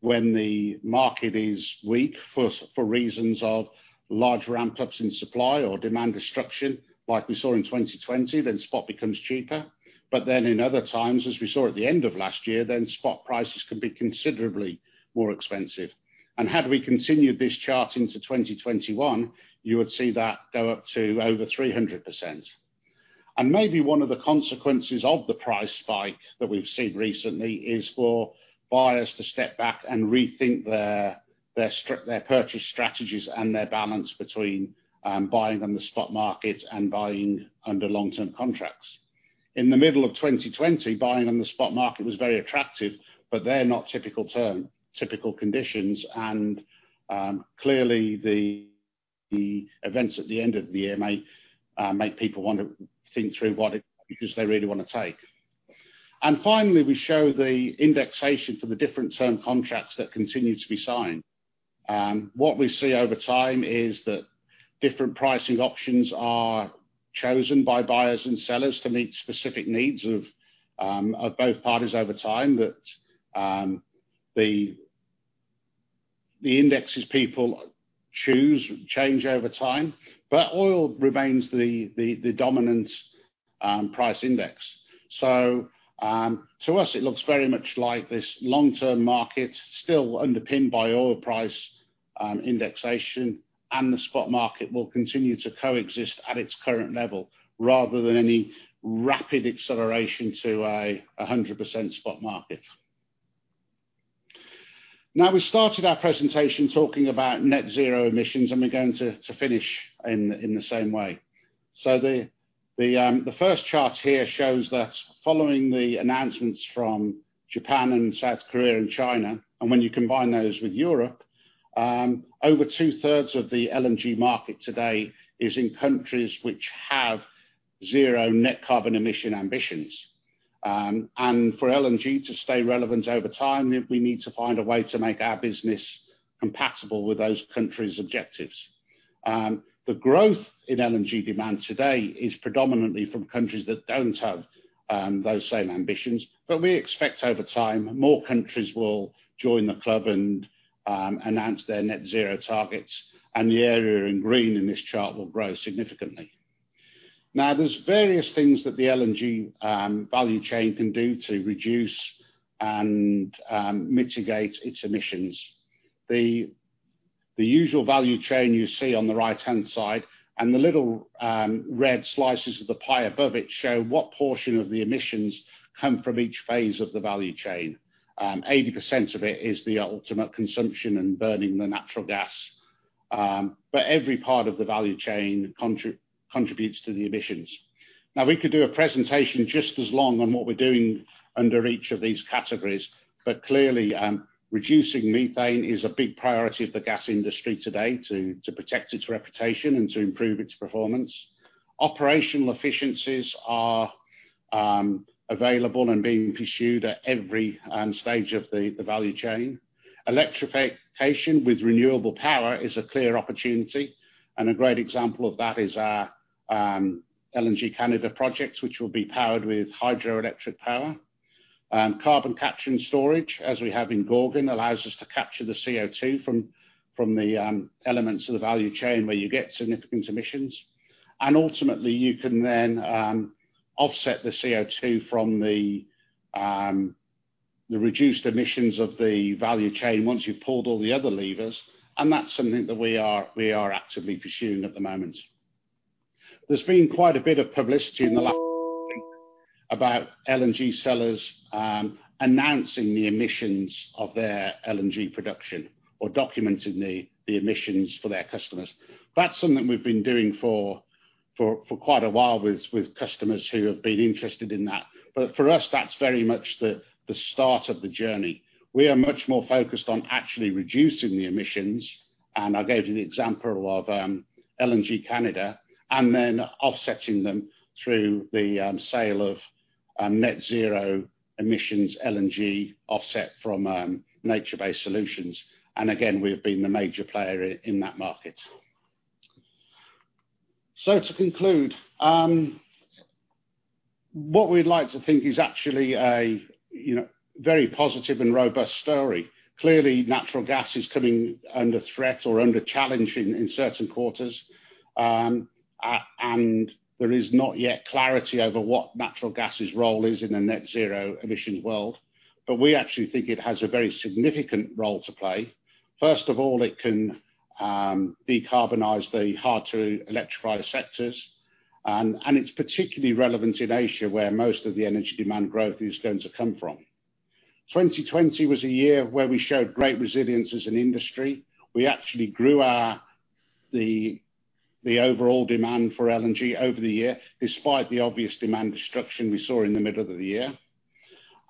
[SPEAKER 3] When the market is weak for reasons of large ramp ups in supply or demand destruction like we saw in 2020, spot becomes cheaper. In other times as we saw at the end of last year, spot prices can be considerably more expensive. Had we continued this chart into 2021, you would see that go up to over 300%. Maybe one of the consequences of the price spike that we've seen recently is for buyers to step back and rethink their purchase strategies and their balance between buying on the spot market and buying under long-term contracts. In the middle of 2020, buying on the spot market was very attractive, they're not typical term, typical conditions, clearly the events at the end of the year may make people want to think through what they really want to take. Finally, we show the indexation for the different term contracts that continue to be signed. What we see over time is that different pricing options are chosen by buyers and sellers to meet specific needs of both parties over time that the indexes people choose change over time. Oil remains the dominant price index. To us, it looks very much like this long-term market still underpinned by oil price indexation and the spot market will continue to coexist at its current level rather than any rapid acceleration to a 100% spot market. We started our presentation talking about net-zero emissions, we're going to finish in the same way. The first chart here shows that following the announcements from Japan and South Korea and China, and when you combine those with Europe, over two-thirds of the LNG market today is in countries which have net-zero carbon emission ambitions. For LNG to stay relevant over time, we need to find a way to make our business compatible with those countries' objectives. The growth in LNG demand today is predominantly from countries that don't have those same ambitions, but we expect over time, more countries will join the club and announce their net-zero targets, and the area in green in this chart will grow significantly. There's various things that the LNG value chain can do to reduce and mitigate its emissions. The usual value chain you see on the right-hand side, the little red slices of the pie above it show what portion of the emissions come from each phase of the value chain. 80% of it is the ultimate consumption and burning the natural gas. Every part of the value chain contributes to the emissions. Now, we could do a presentation just as long on what we're doing under each of these categories, but clearly, reducing methane is a big priority of the gas industry today to protect its reputation and to improve its performance. Operational efficiencies are available and being pursued at every stage of the value chain. Electrification with renewable power is a clear opportunity, and a great example of that is our LNG Canada project, which will be powered with hydroelectric power. Carbon capture and storage, as we have in Gorgon, allows us to capture the CO₂ from the elements of the value chain where you get significant emissions. Ultimately, you can then offset the CO₂ from the reduced emissions of the value chain once you've pulled all the other levers, and that's something that we are actively pursuing at the moment. There's been quite a bit of publicity in the last about LNG sellers announcing the emissions of their LNG production or documenting the emissions for their customers. That's something we've been doing for quite a while with customers who have been interested in that. For us, that's very much the start of the journey. We are much more focused on actually reducing the emissions. I gave you the example of LNG Canada, then offsetting them through the sale of net-zero emissions LNG offset from nature-based solutions. Again, we have been the major player in that market. To conclude, what we'd like to think is actually a very positive and robust story. Clearly, natural gas is coming under threat or under challenge in certain quarters. There is not yet clarity over what natural gas's role is in a net-zero emissions world. We actually think it has a very significant role to play. First of all, it can decarbonize the hard-to-electrify sectors. It's particularly relevant in Asia, where most of the energy demand growth is going to come from. 2020 was a year where we showed great resilience as an industry. We actually grew the overall demand for LNG over the year, despite the obvious demand destruction we saw in the middle of the year.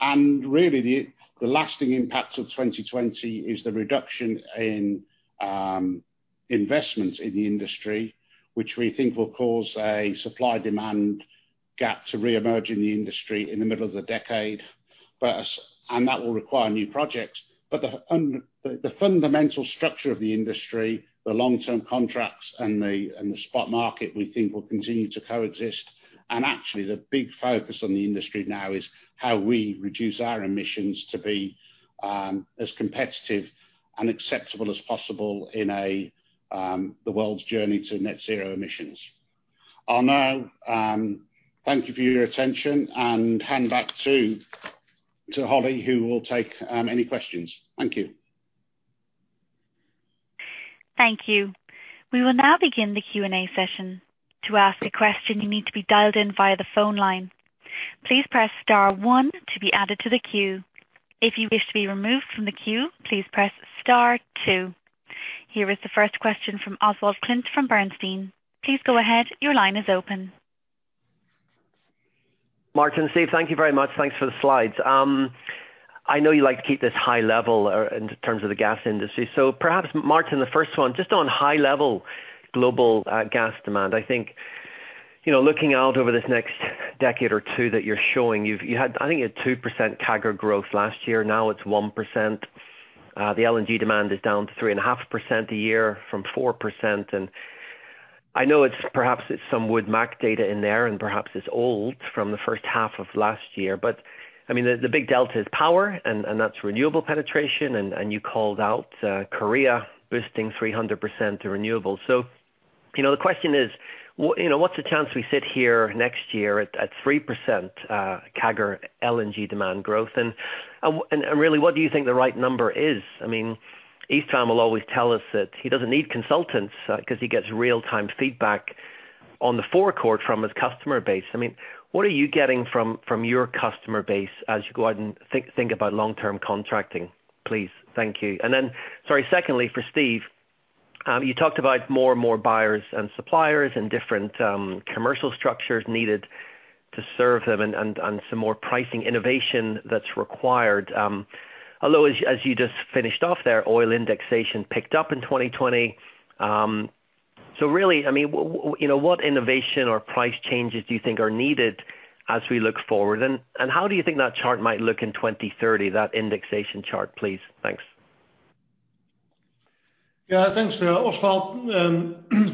[SPEAKER 3] Really, the lasting impact of 2020 is the reduction in investments in the industry, which we think will cause a supply-demand gap to reemerge in the industry in the middle of the decade. That will require new projects. The fundamental structure of the industry, the long-term contracts, and the spot market, we think, will continue to coexist. Actually, the big focus on the industry now is how we reduce our emissions to be as competitive and acceptable as possible in the world's journey to net-zero emissions. I'll now thank you for your attention and hand back to Holly, who will take any questions. Thank you.
[SPEAKER 4] Thank you. We will now begin the Q&A session. To ask a question, you need to be dialed in via the phone line. Please press star one to be added to the queue. If you wish to be removed from the queue, please press star two. Here is the first question from Oswald Clint from Bernstein. Please go ahead, your line is open.
[SPEAKER 5] Maarten, Steve, thank you very much. Thanks for the slides. I know you like to keep this high level in terms of the gas industry. Perhaps, Maarten, the first one, just on high-level global gas demand, I think, looking out over this next decade or two, that you're showing, you had, I think, a 2% CAGR growth last year. Now it's 1%. The LNG demand is down to 3.5% a year from 4%. I know perhaps it's some Wood Mackenzie data in there, and perhaps it's old from the first half of last year. I mean, the big delta is power, and that's renewable penetration, and you called out Korea boosting 300% to renewables. The question is, what's the chance we sit here next year at 3% CAGR LNG demand growth? Really, what do you think the right number is? István will always tell us that he doesn't need consultants because he gets real-time feedback on the forecourt from his customer base. What are you getting from your customer base as you go out and think about long-term contracting, please? Thank you. Sorry, secondly, for Steve, you talked about more and more buyers and suppliers and different commercial structures needed to serve them, and some more pricing innovation that's required. Although, as you just finished off there, oil indexation picked up in 2020. What innovation or price changes do you think are needed as we look forward, and how do you think that chart might look in 2030, that indexation chart, please? Thanks.
[SPEAKER 2] Thanks, Oswald,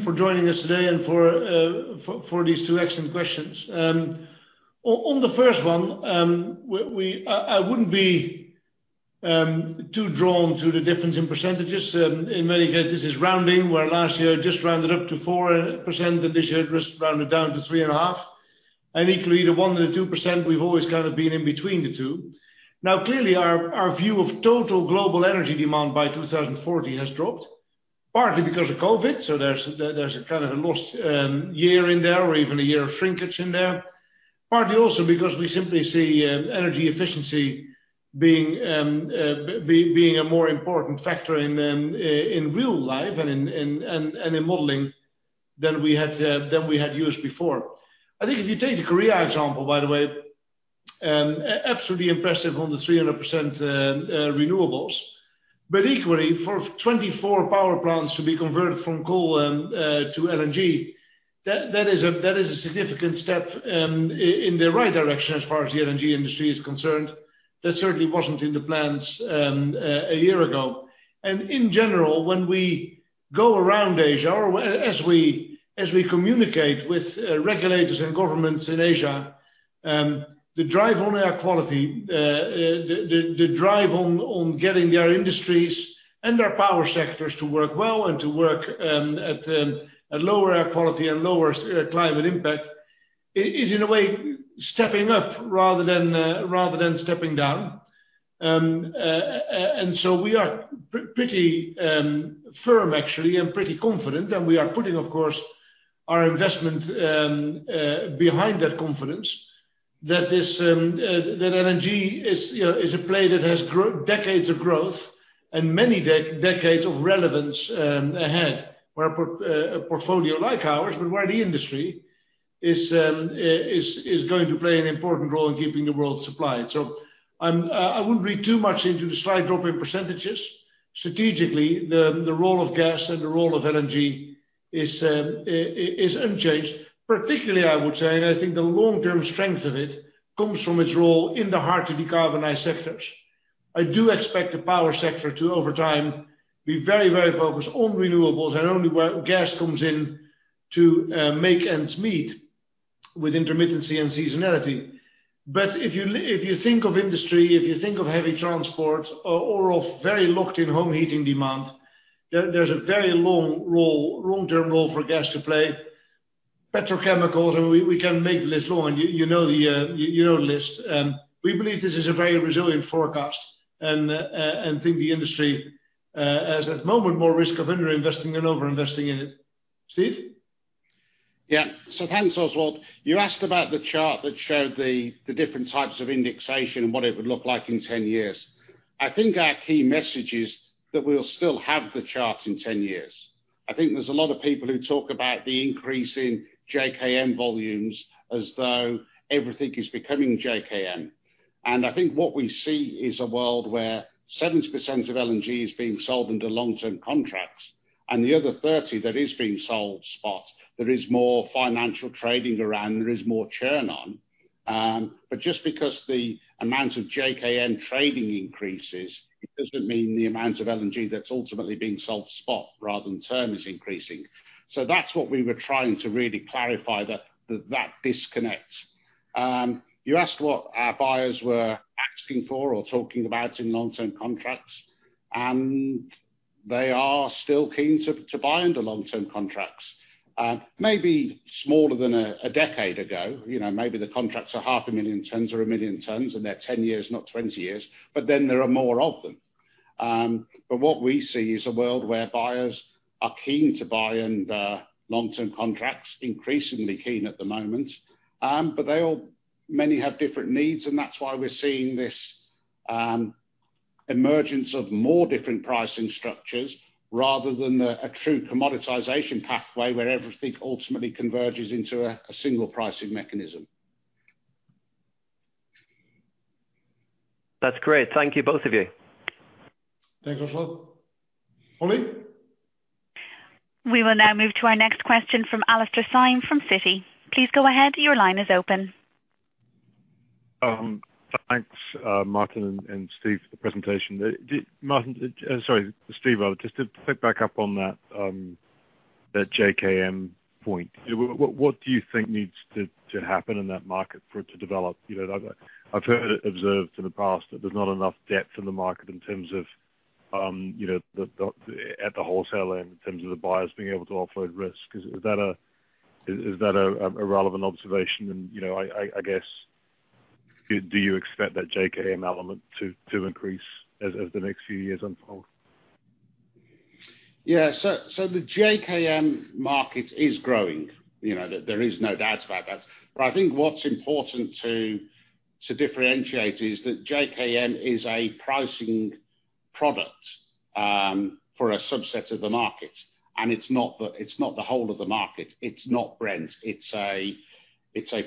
[SPEAKER 2] for joining us today and for these two excellent questions. On the first one, I wouldn't be too drawn to the difference in percentages. In many cases, this is rounding, where last year just rounded up to 4%, and this year it just rounded down to 3.5%. Equally, the 1%-2%, we've always kind of been in between the two. Now, clearly, our view of total global energy demand by 2040 has dropped, partly because of COVID-19. There's a kind of a lost year in there or even a year of shrinkage in there. Partly also because we simply see energy efficiency being a more important factor in real life and in modeling than we had used before. I think if you take the Korea example, by the way, absolutely impressive on the 300% renewables. Equally, for 24 power plants to be converted from coal to LNG, that is a significant step in the right direction as far as the LNG industry is concerned. That certainly wasn't in the plans a year ago. In general, when we go around Asia or as we communicate with regulators and governments in Asia, the drive on air quality, the drive on getting their industries and their power sectors to work well and to work at lower air quality and lower climate impact, is in a way stepping up rather than stepping down. We are pretty firm, actually, and pretty confident, and we are putting, of course, our investment behind that confidence that LNG is a play that has decades of growth and many decades of relevance ahead. Where a portfolio like ours, but where the industry is going to play an important role in keeping the world supplied. I wouldn't read too much into the slight drop in percentages. Strategically, the role of gas and the role of LNG is unchanged. Particularly, I would say, and I think the long-term strength of it comes from its role in the heart of decarbonized sectors. I do expect the power sector to, over time, be very, very focused on renewables and only where gas comes in to make ends meet with intermittency and seasonality. If you think of industry, if you think of heavy transport or of very locked-in home heating demand, there's a very long-term role for gas to play. Petrochemicals, we can make the list on. You know the list. We believe this is a very resilient forecast and think the industry is, at the moment, more risk of under-investing than over-investing in it. Steve?
[SPEAKER 3] Yeah. Thanks, Oswald. You asked about the chart that showed the different types of indexation and what it would look like in 10 years. I think our key message is that we'll still have the chart in 10 years. I think there's a lot of people who talk about the increase in JKM volumes as though everything is becoming JKM. I think what we see is a world where 70% of LNG is being sold into long-term contracts and the other 30 that is being sold spot, there is more financial trading around, there is more churn on. Just because the amount of JKM trading increases, it doesn't mean the amount of LNG that's ultimately being sold spot rather than term is increasing. That's what we were trying to really clarify, that disconnect. You asked what our buyers were asking for or talking about in long-term contracts. They are still keen to buy into long-term contracts. Maybe smaller than a decade ago. Maybe the contracts are 0.5 million tons or 1 million tons. They are 10 years, not 20 years. There are more of them. What we see is a world where buyers are keen to buy into long-term contracts, increasingly keen at the moment. They all many have different needs. That's why we're seeing this emergence of more different pricing structures rather than a true commoditization pathway where everything ultimately converges into a single pricing mechanism.
[SPEAKER 5] That's great. Thank you, both of you.
[SPEAKER 2] Thanks, Oswald. Holly?
[SPEAKER 4] We will now move to our next question from Alastair Syme from Citi. Please go ahead.
[SPEAKER 6] Thanks, Maarten and Steve, for the presentation. Maarten, sorry, Steve, just to pick back up on that JKM point, what do you think needs to happen in that market for it to develop? I've heard it observed in the past that there's not enough depth in the market in terms of at the wholesale end in terms of the buyers being able to offload risk. Is that a relevant observation? I guess, do you expect that JKM element to increase as the next few years unfold?
[SPEAKER 3] Yeah. The JKM market is growing. There is no doubts about that. I think what's important to differentiate is that JKM is a pricing product, for a subset of the market, and it's not the whole of the market. It's not Brent. It's a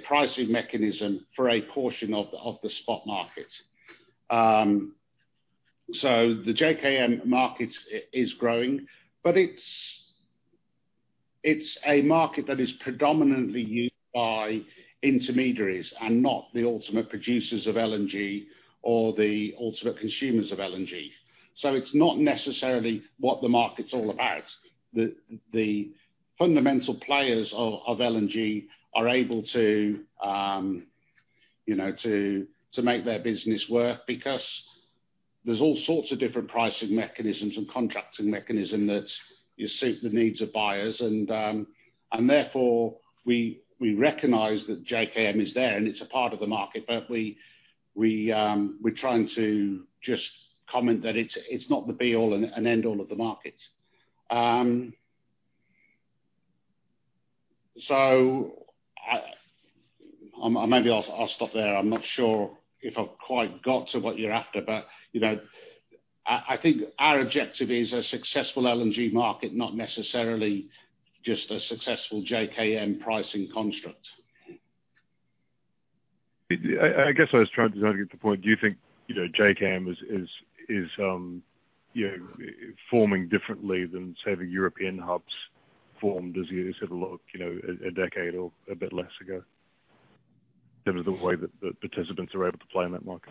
[SPEAKER 3] pricing mechanism for a portion of the spot market. The JKM market is growing, but it's a market that is predominantly used by intermediaries and not the ultimate producers of LNG or the ultimate consumers of LNG. It's not necessarily what the market's all about. The fundamental players of LNG are able to make their business work because there's all sorts of different pricing mechanisms and contracting mechanism that suit the needs of buyers. Therefore, we recognize that JKM is there and it's a part of the market, but we're trying to just comment that it's not the be all and end all of the market. Maybe I'll stop there. I'm not sure if I've quite got to what you're after, but I think our objective is a successful LNG market, not necessarily just a successful JKM pricing construct.
[SPEAKER 6] I guess I was trying to get to the point, do you think, JKM is forming differently than, say, the European hubs formed as you said, a decade or a bit less ago in terms of the way that the participants are able to play in that market?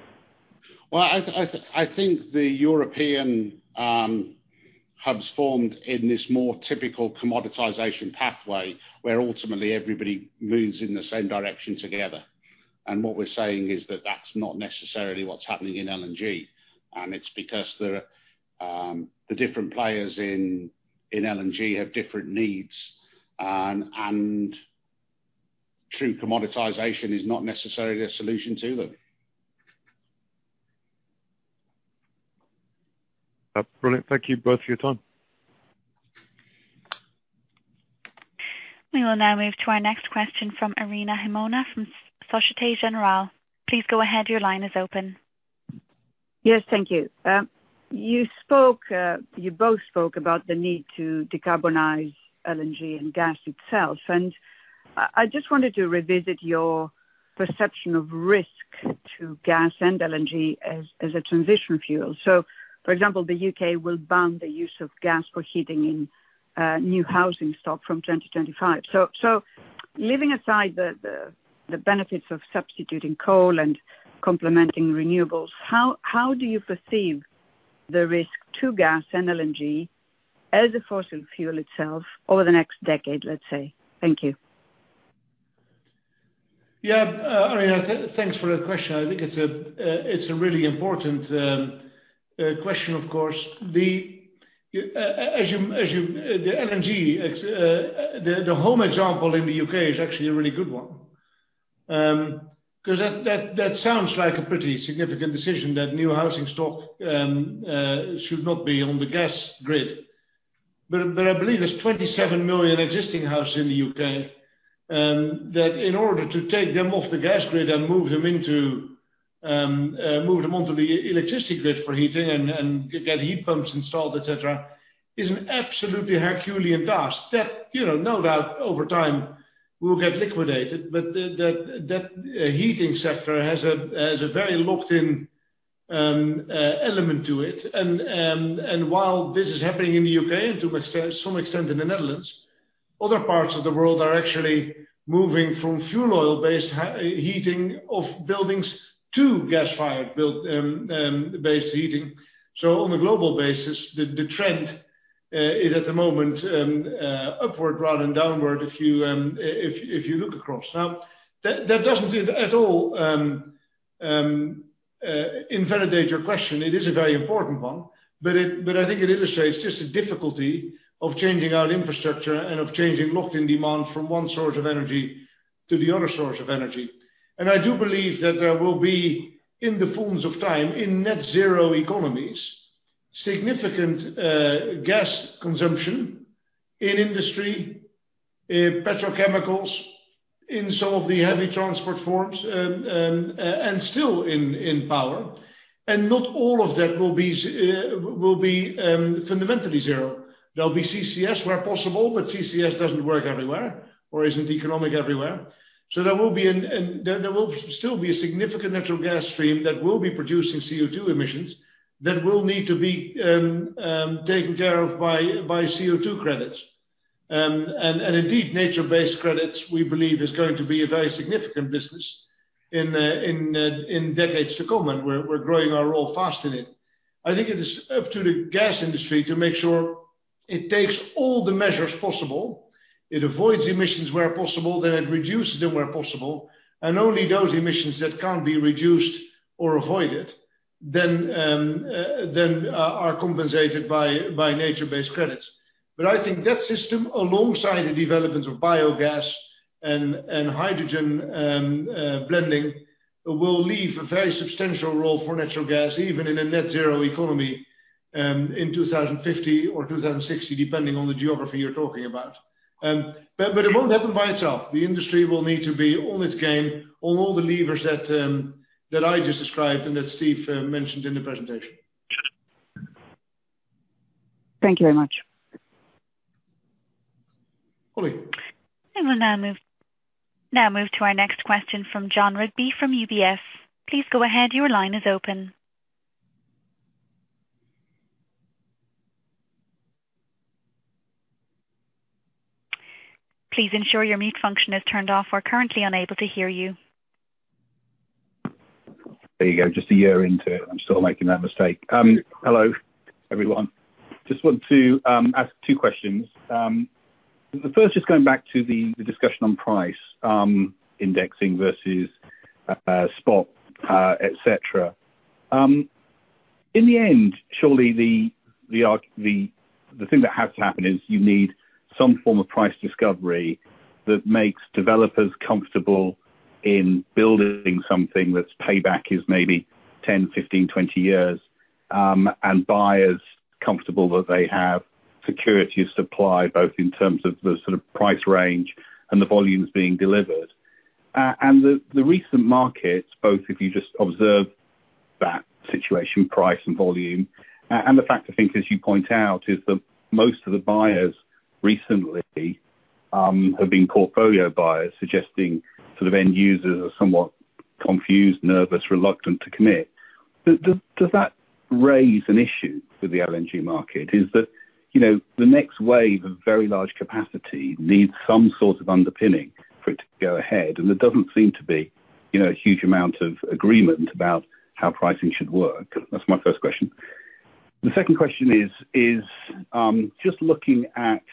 [SPEAKER 3] Well, I think the European hubs formed in this more typical commoditization pathway where ultimately everybody moves in the same direction together. What we're saying is that that's not necessarily what's happening in LNG, and it's because the different players in LNG have different needs and true commoditization is not necessarily a solution to them.
[SPEAKER 6] Brilliant. Thank you both for your time.
[SPEAKER 4] We will now move to our next question from Irene Himona from Société Générale.
[SPEAKER 7] Yes. Thank you. You both spoke about the need to decarbonize LNG and gas itself, and I just wanted to revisit your perception of risk to gas and LNG as a transition fuel. For example, the U.K. will ban the use of gas for heating in new housing stock from 2025. Leaving aside the benefits of substituting coal and complementing renewables, how do you perceive the risk to gas and LNG as a fossil fuel itself over the next decade, let's say? Thank you.
[SPEAKER 2] Yeah. Irene, thanks for that question. I think it's a really important question, of course. The LNG, the home example in the U.K. is actually a really good one. That sounds like a pretty significant decision that new housing stock should not be on the gas grid. I believe there's 27 million existing houses in the U.K., that in order to take them off the gas grid and move them onto the electricity grid for heating and get heat pumps installed, et cetera, is an absolutely Herculean task that, no doubt over time, will get liquidated. That heating sector has a very locked-in element to it. While this is happening in the U.K., and to some extent in the Netherlands, other parts of the world are actually moving from fuel oil-based heating of buildings to gas-fired building-based heating. On a global basis, the trend is at the moment upward rather than downward if you look across. That doesn't at all invalidate your question. It is a very important one, but I think it illustrates just the difficulty of changing our infrastructure and of changing locked-in demand from one source of energy to the other source of energy. I do believe that there will be, in the fullness of time, in net-zero economies, significant gas consumption in industry, petrochemicals, in some of the heavy transport forms, and still in power. Not all of that will be fundamentally zero. There'll be CCS where possible, but CCS doesn't work everywhere or isn't economic everywhere. There will still be a significant natural gas stream that will be producing CO₂ emissions that will need to be taken care of by CO₂ credits. Indeed, nature-based credits, we believe, is going to be a very significant business in decades to come, and we're growing our role fast in it. I think it is up to the gas industry to make sure it takes all the measures possible. It avoids emissions where possible, then it reduces them where possible, and only those emissions that can't be reduced or avoided, then are compensated by nature-based credits. I think that system, alongside the development of biogas and hydrogen blending, will leave a very substantial role for natural gas, even in a net-zero economy in 2050 or 2060, depending on the geography you're talking about. It won't happen by itself. The industry will need to be on its game on all the levers that I just described and that Steve mentioned in the presentation.
[SPEAKER 7] Thank you very much.
[SPEAKER 2] Holly?
[SPEAKER 4] We will now move to our next question from Jon Rigby from UBS. Please go ahead. Your line is open. Please ensure your mute function is turned off. We're currently unable to hear you.
[SPEAKER 8] There you go. Just a year into it and I'm still making that mistake. Hello, everyone. Just wanted to ask two questions. The first, just going back to the discussion on price indexing versus spot, et cetera. In the end, surely the thing that has to happen is you need some form of price discovery that makes developers comfortable in building something that's payback is maybe 10, 15, 20 years, and buyers comfortable that they have security of supply, both in terms of the price range and the volumes being delivered. The recent markets, both if you just observe that situation, price and volume, and the fact I think as you point out, is that most of the buyers recently have been portfolio buyers, suggesting end users are somewhat confused, nervous, reluctant to commit. Does that raise an issue for the LNG market? Is that the next wave of very large capacity needs some sort of underpinning for it to go ahead, and there doesn't seem to be a huge amount of agreement about how pricing should work. That's my first question. The second question is just looking at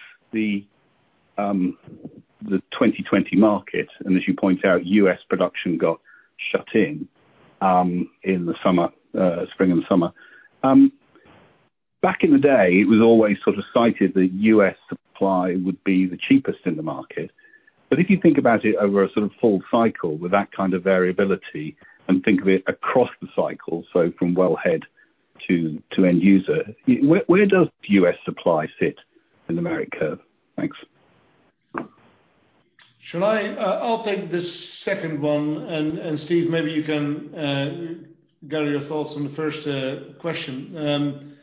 [SPEAKER 8] the 2020 market, and as you point out, U.S. production got shut in the spring and the summer. Back in the day, it was always cited that U.S. supply would be the cheapest in the market. If you think about it over a full cycle with that kind of variability and think of it across the cycle, so from well head to end user, where does U.S. supply fit in the merit curve? Thanks.
[SPEAKER 2] I'll take the second one, Steve, maybe you can gather your thoughts on the first question.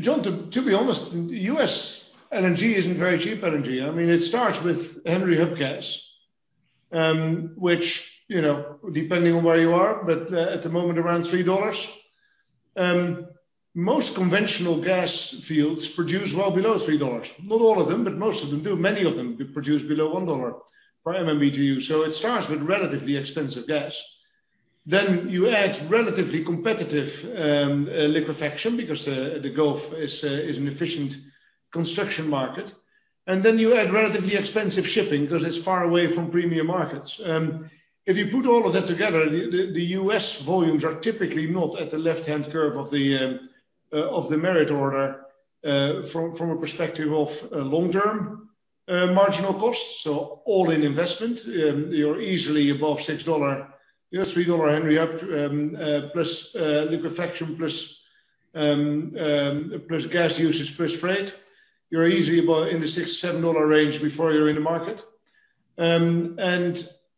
[SPEAKER 2] Jon, to be honest, U.S. LNG isn't very cheap energy. It starts with Henry Hub gas, which, depending on where you are, but at the moment, around $3. Most conventional gas fields produce well below $3. Not all of them, but most of them do. Many of them produce below $1 per MMBtu. It starts with relatively expensive gas. You add relatively competitive liquefaction because the Gulf is an efficient construction market. You add relatively expensive shipping because it's far away from premium markets. If you put all of that together, the U.S. volumes are typically not at the left-hand curve of the merit order from a perspective of long-term marginal costs. All-in investment, you're easily above $6. You have $3 Henry Hub, plus liquefaction, plus gas usage, plus freight. You're easily about in the $6-$7 range before you're in the market.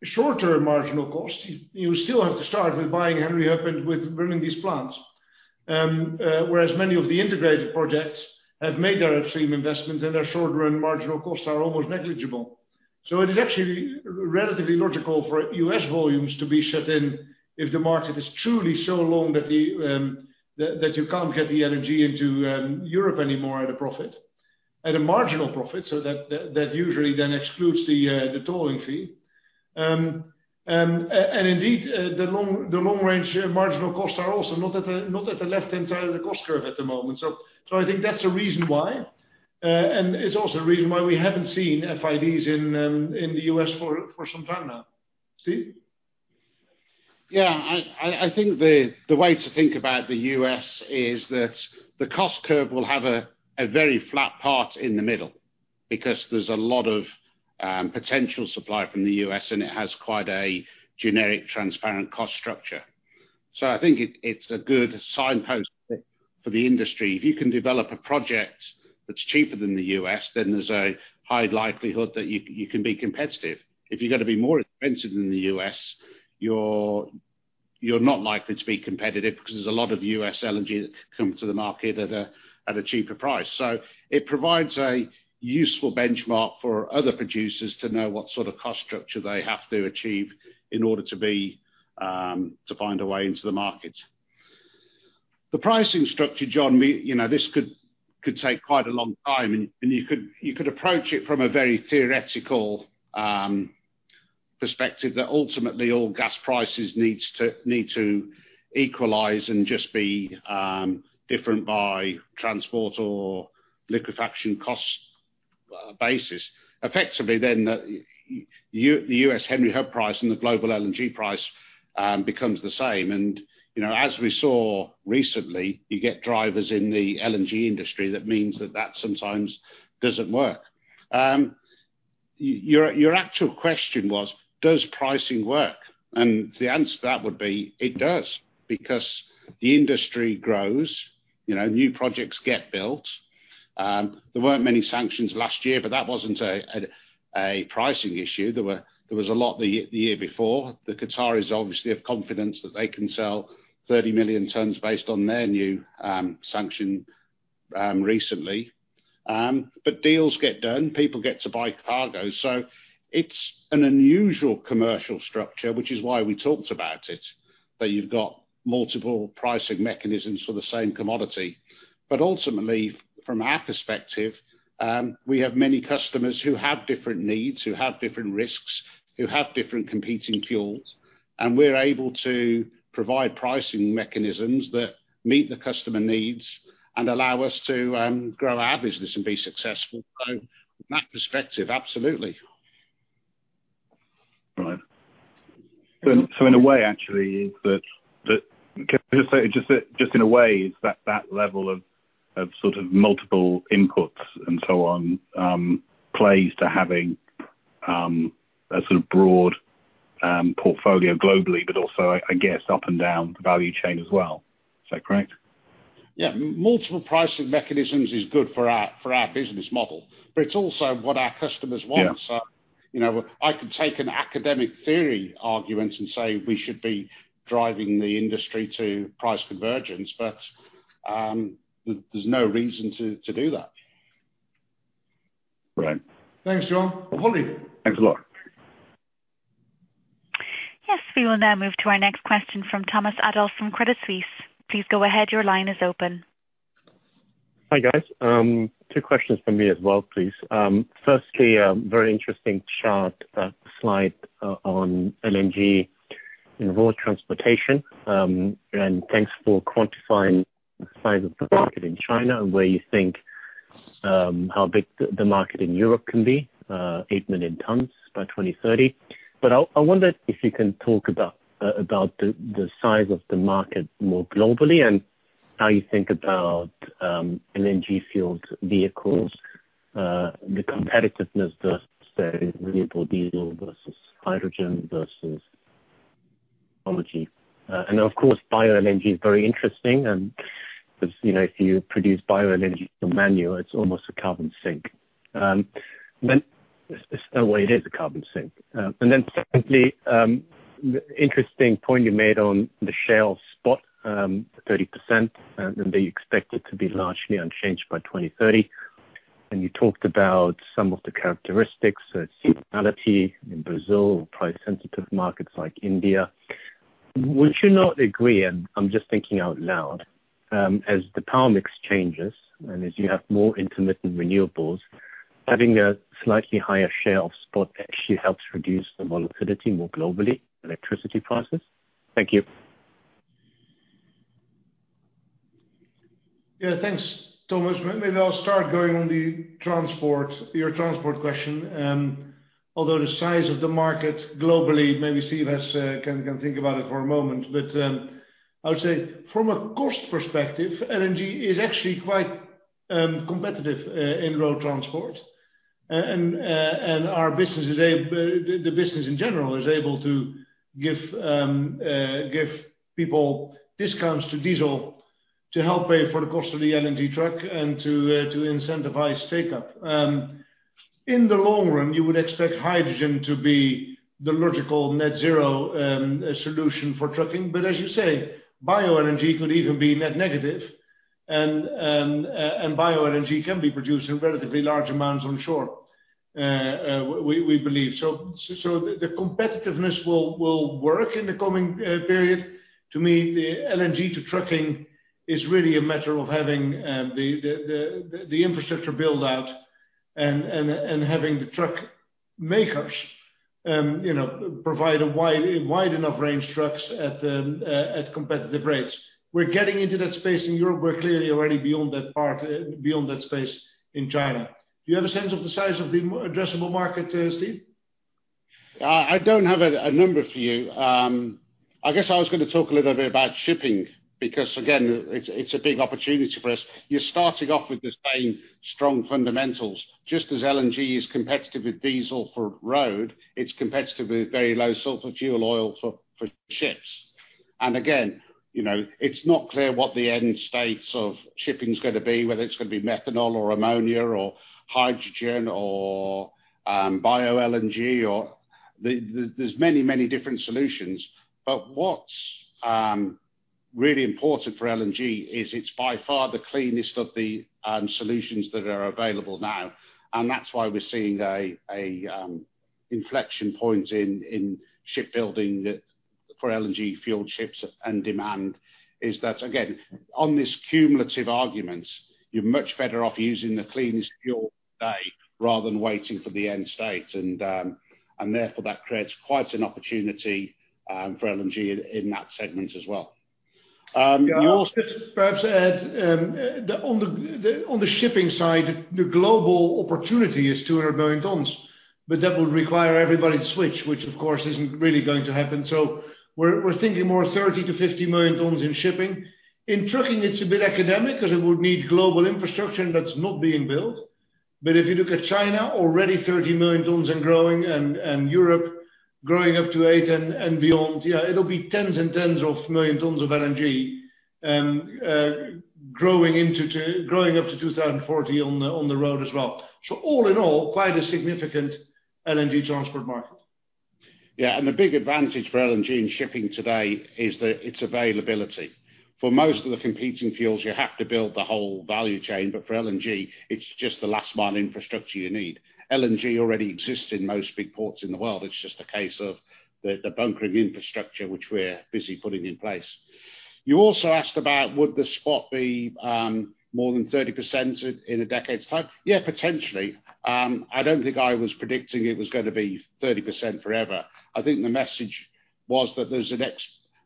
[SPEAKER 2] Shorter marginal cost, you still have to start with buying Henry Hub and with running these plants. Whereas many of the integrated projects have made their upstream investments and their shorter and marginal costs are almost negligible. It is actually relatively logical for U.S. volumes to be shut in if the market is truly so long that you can't get the energy into Europe anymore at a profit, at a marginal profit, so that usually then excludes the towing fee. Indeed, the long-range marginal costs are also not at the left-hand side of the cost curve at the moment. I think that's a reason why, and it's also a reason why we haven't seen FIDs in the U.S. for some time now. Steve?
[SPEAKER 3] Yeah, I think the way to think about the U.S. is that the cost curve will have a very flat part in the middle because there's a lot of potential supply from the U.S., and it has quite a generic, transparent cost structure. I think it's a good signpost for the industry. If you can develop a project that's cheaper than the U.S., there's a high likelihood that you can be competitive. If you're going to be more expensive than the U.S., you're not likely to be competitive because there's a lot of U.S. LNG that comes to the market at a cheaper price. It provides a useful benchmark for other producers to know what sort of cost structure they have to achieve in order to find a way into the market. The pricing structure, Jon, this could take quite a long time. You could approach it from a very theoretical perspective that ultimately all gas prices need to equalize and just be different by transport or liquefaction cost basis. Effectively, the U.S. Henry Hub price and the global LNG price becomes the same. As we saw recently, you get drivers in the LNG industry, that means that sometimes doesn't work. Your actual question was, does pricing work? The answer to that would be, it does, because the industry grows, new projects get built. There weren't many sanctions last year, that wasn't a pricing issue. There was a lot the year before. The Qataris obviously have confidence that they can sell 30 million tons based on their new sanction recently. Deals get done, people get to buy cargo. It's an unusual commercial structure, which is why we talked about it, that you've got multiple pricing mechanisms for the same commodity. Ultimately, from our perspective, we have many customers who have different needs, who have different risks, who have different competing fuels, and we're able to provide pricing mechanisms that meet the customer needs and allow us to grow our business and be successful. From that perspective, absolutely.
[SPEAKER 8] Just in a way, it's that level of sort of multiple inputs and so on, plays to having a sort of broad portfolio globally, but also, I guess, up and down the value chain as well. Is that correct?
[SPEAKER 3] Yeah. Multiple pricing mechanisms is good for our business model. It's also what our customers want.
[SPEAKER 8] Yeah.
[SPEAKER 3] I could take an academic theory argument and say we should be driving the industry to price convergence, but there's no reason to do that.
[SPEAKER 8] Right.
[SPEAKER 2] Thanks, Jon. Holly?
[SPEAKER 8] Thanks a lot.
[SPEAKER 4] Yes, we will now move to our next question from Thomas Adolff from Credit Suisse. Please go ahead, your line is open.
[SPEAKER 9] Hi, guys. Two questions from me as well, please. Firstly, very interesting chart slide on LNG in road transportation. Thanks for quantifying the size of the market in China and where you think how big the market in Europe can be, 8 million tons by 2030. I wonder if you can talk about the size of the market more globally and how you think about LNG-fueled vehicles, the competitiveness versus renewable diesel versus hydrogen versus Bio-LNG. Of course, Bio-LNG is very interesting, because if you produce Bio-LNG from manure, it's almost a carbon sink. In a way, it is a carbon sink. Secondly, interesting point you made on the Shell spot, 30%, and that you expect it to be largely unchanged by 2030. You talked about some of the characteristics, the seasonality in Brazil or price-sensitive markets like India. Would you not agree, and I'm just thinking out loud, as the power mix changes and as you have more intermittent renewables, having a slightly higher share of spot actually helps reduce the volatility more globally, electricity prices? Thank you.
[SPEAKER 2] Yeah. Thanks, Thomas. Maybe I'll start going on your transport question. The size of the market globally, maybe Steve can think about it for a moment. I would say from a cost perspective, LNG is actually quite competitive in road transport. Our business today, the business in general, is able to give people discounts to diesel to help pay for the cost of the LNG truck and to incentivize take-up. In the long run, you would expect hydrogen to be the logical net-zero solution for trucking. As you say, Bio-LNG could even be net negative. Bio-LNG can be produced in relatively large amounts onshore, we believe. The competitiveness will work in the coming period. To me, the LNG to trucking is really a matter of having the infrastructure build-out and having the truck makers provide a wide enough range trucks at competitive rates. We're getting into that space in Europe. We're clearly already beyond that space in China. Do you have a sense of the size of the addressable market there, Steve?
[SPEAKER 3] I don't have a number for you. I guess I was going to talk a little bit about shipping because, again, it's a big opportunity for us. You're starting off with the same strong fundamentals. Just as LNG is competitive with diesel for road, it's competitive with Very Low Sulfur Fuel Oil for ships. Again, it's not clear what the end state of shipping is going to be, whether it's going to be methanol or ammonia or hydrogen or Bio-LNG. There's many different solutions. What's really important for LNG is it's by far the cleanest of the solutions that are available now, and that's why we're seeing an inflection point in shipbuilding for LNG fueled ships and demand is that, again, on this cumulative argument, you're much better off using the cleanest fuel today rather than waiting for the end state. Therefore, that creates quite an opportunity for LNG in that segment as well. You also.
[SPEAKER 2] Perhaps add, on the shipping side, the global opportunity is 200 million tons, but that would require everybody to switch, which of course isn't really going to happen. We're thinking more 30 million-50 million tons in shipping. In trucking, it's a bit academic because it would need global infrastructure and that's not being built. If you look at China, already 30 million tons and growing, and Europe growing up to eight and beyond. Yeah, it'll be tens and tens of million tons of LNG growing up to 2040 on the road as well. All in all, quite a significant LNG transport market.
[SPEAKER 3] Yeah. The big advantage for LNG in shipping today is its availability. For most of the competing fuels, you have to build the whole value chain, but for LNG, it's just the last mile infrastructure you need. LNG already exists in most big ports in the world. It's just a case of the bunkering infrastructure, which we're busy putting in place. You also asked about would the spot be more than 30% in a decade's time. Yeah, potentially. I don't think I was predicting it was going to be 30% forever. I think the message was that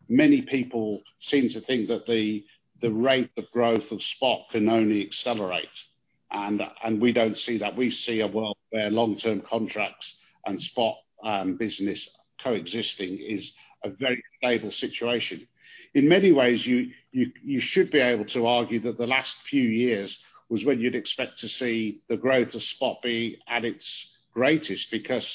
[SPEAKER 3] many people seem to think that the rate of growth of spot can only accelerate, and we don't see that. We see a world where long-term contracts and spot business coexisting is a very stable situation. In many ways, you should be able to argue that the last few years was when you'd expect to see the growth of spot be at its greatest, because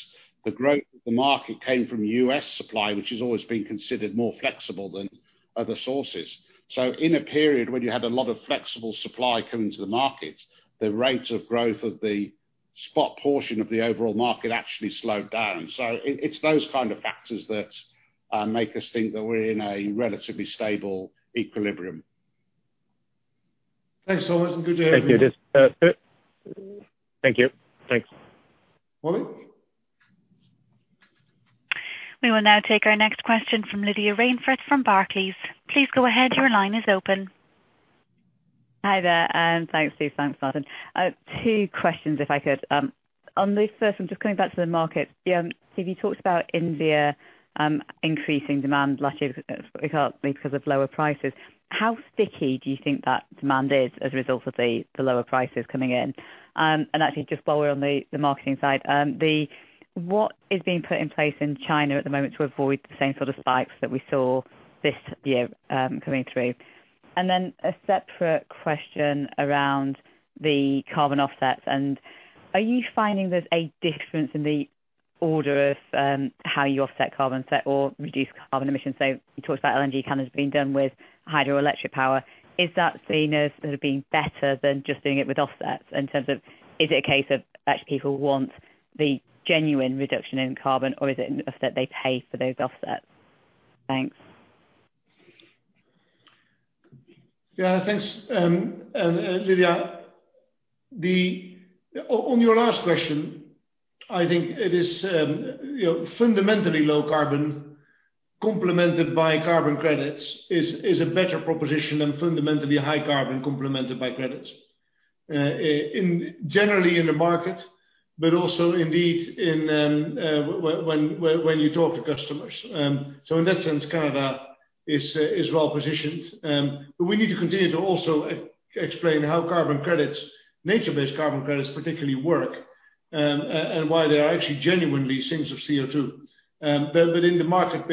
[SPEAKER 3] the growth of the market came from U.S. supply, which has always been considered more flexible than other sources. In a period when you had a lot of flexible supply coming to the market, the rate of growth of the spot portion of the overall market actually slowed down. It's those kind of factors that make us think that we're in a relatively stable equilibrium.
[SPEAKER 2] Thanks so much and good to hear from you.
[SPEAKER 9] Thank you.
[SPEAKER 2] Holly?
[SPEAKER 4] We will now take our next question from Lydia Rainforth from Barclays. Please go ahead, your line is open.
[SPEAKER 10] Hi there, and thanks, Steve, thanks, Maarten. Two questions if I could. On the first one, just coming back to the market, Steve, you talked about India increasing demand largely because of lower prices. How sticky do you think that demand is as a result of the lower prices coming in? Actually, just while we're on the marketing side, what is being put in place in China at the moment to avoid the same sort of spikes that we saw this year coming through? Then a separate question around the carbon offsets. Are you finding there's a difference in the order of how you offset carbon or reduce carbon emissions? You talked about LNG kind of being done with hydroelectric power. Is that seen as being better than just doing it with offsets in terms of, is it a case of actually people want the genuine reduction in carbon, or is it an offset they pay for those offsets? Thanks.
[SPEAKER 2] Thanks, Lydia. On your last question, I think it is fundamentally low carbon, complemented by carbon credits, is a better proposition than fundamentally high carbon, complemented by credits. Generally, in the market, but also indeed when you talk to customers. In that sense, Canada is well-positioned. We need to continue to also explain how carbon credits, nature-based carbon credits, particularly work, and why they are actually genuinely sinks of CO₂. In the marketing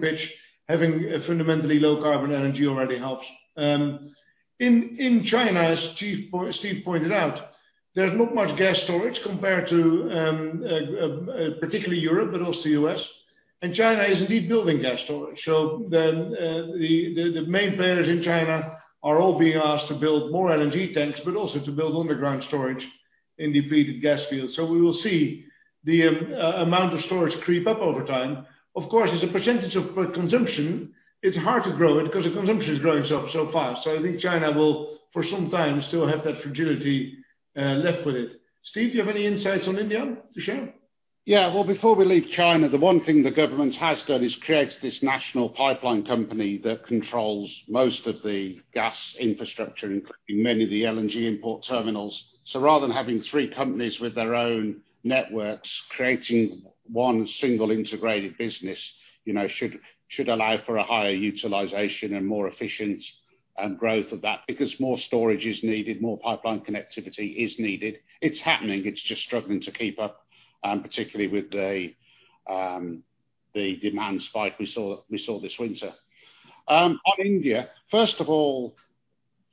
[SPEAKER 2] pitch, having a fundamentally low-carbon energy already helps. In China, as Steve pointed out, there's not much gas storage compared to particularly Europe, but also U.S. China is indeed building gas storage. The main players in China are all being asked to build more LNG tanks, but also to build underground storage in depleted gas fields. We will see the amount of storage creep up over time. Of course, as a percentage of consumption, it's hard to grow it because the consumption is growing up so fast. I think China will, for some time, still have that fragility left with it. Steve, do you have any insights on India to share?
[SPEAKER 3] Yeah. Well, before we leave China, the one thing the government has done is create this national pipeline company that controls most of the gas infrastructure, including many of the LNG import terminals. Rather than having three companies with their own networks, creating one single integrated business should allow for a higher utilization and more efficient growth of that, because more storage is needed, more pipeline connectivity is needed. It's happening, it's just struggling to keep up, particularly with the demand spike we saw this winter. On India, first of all,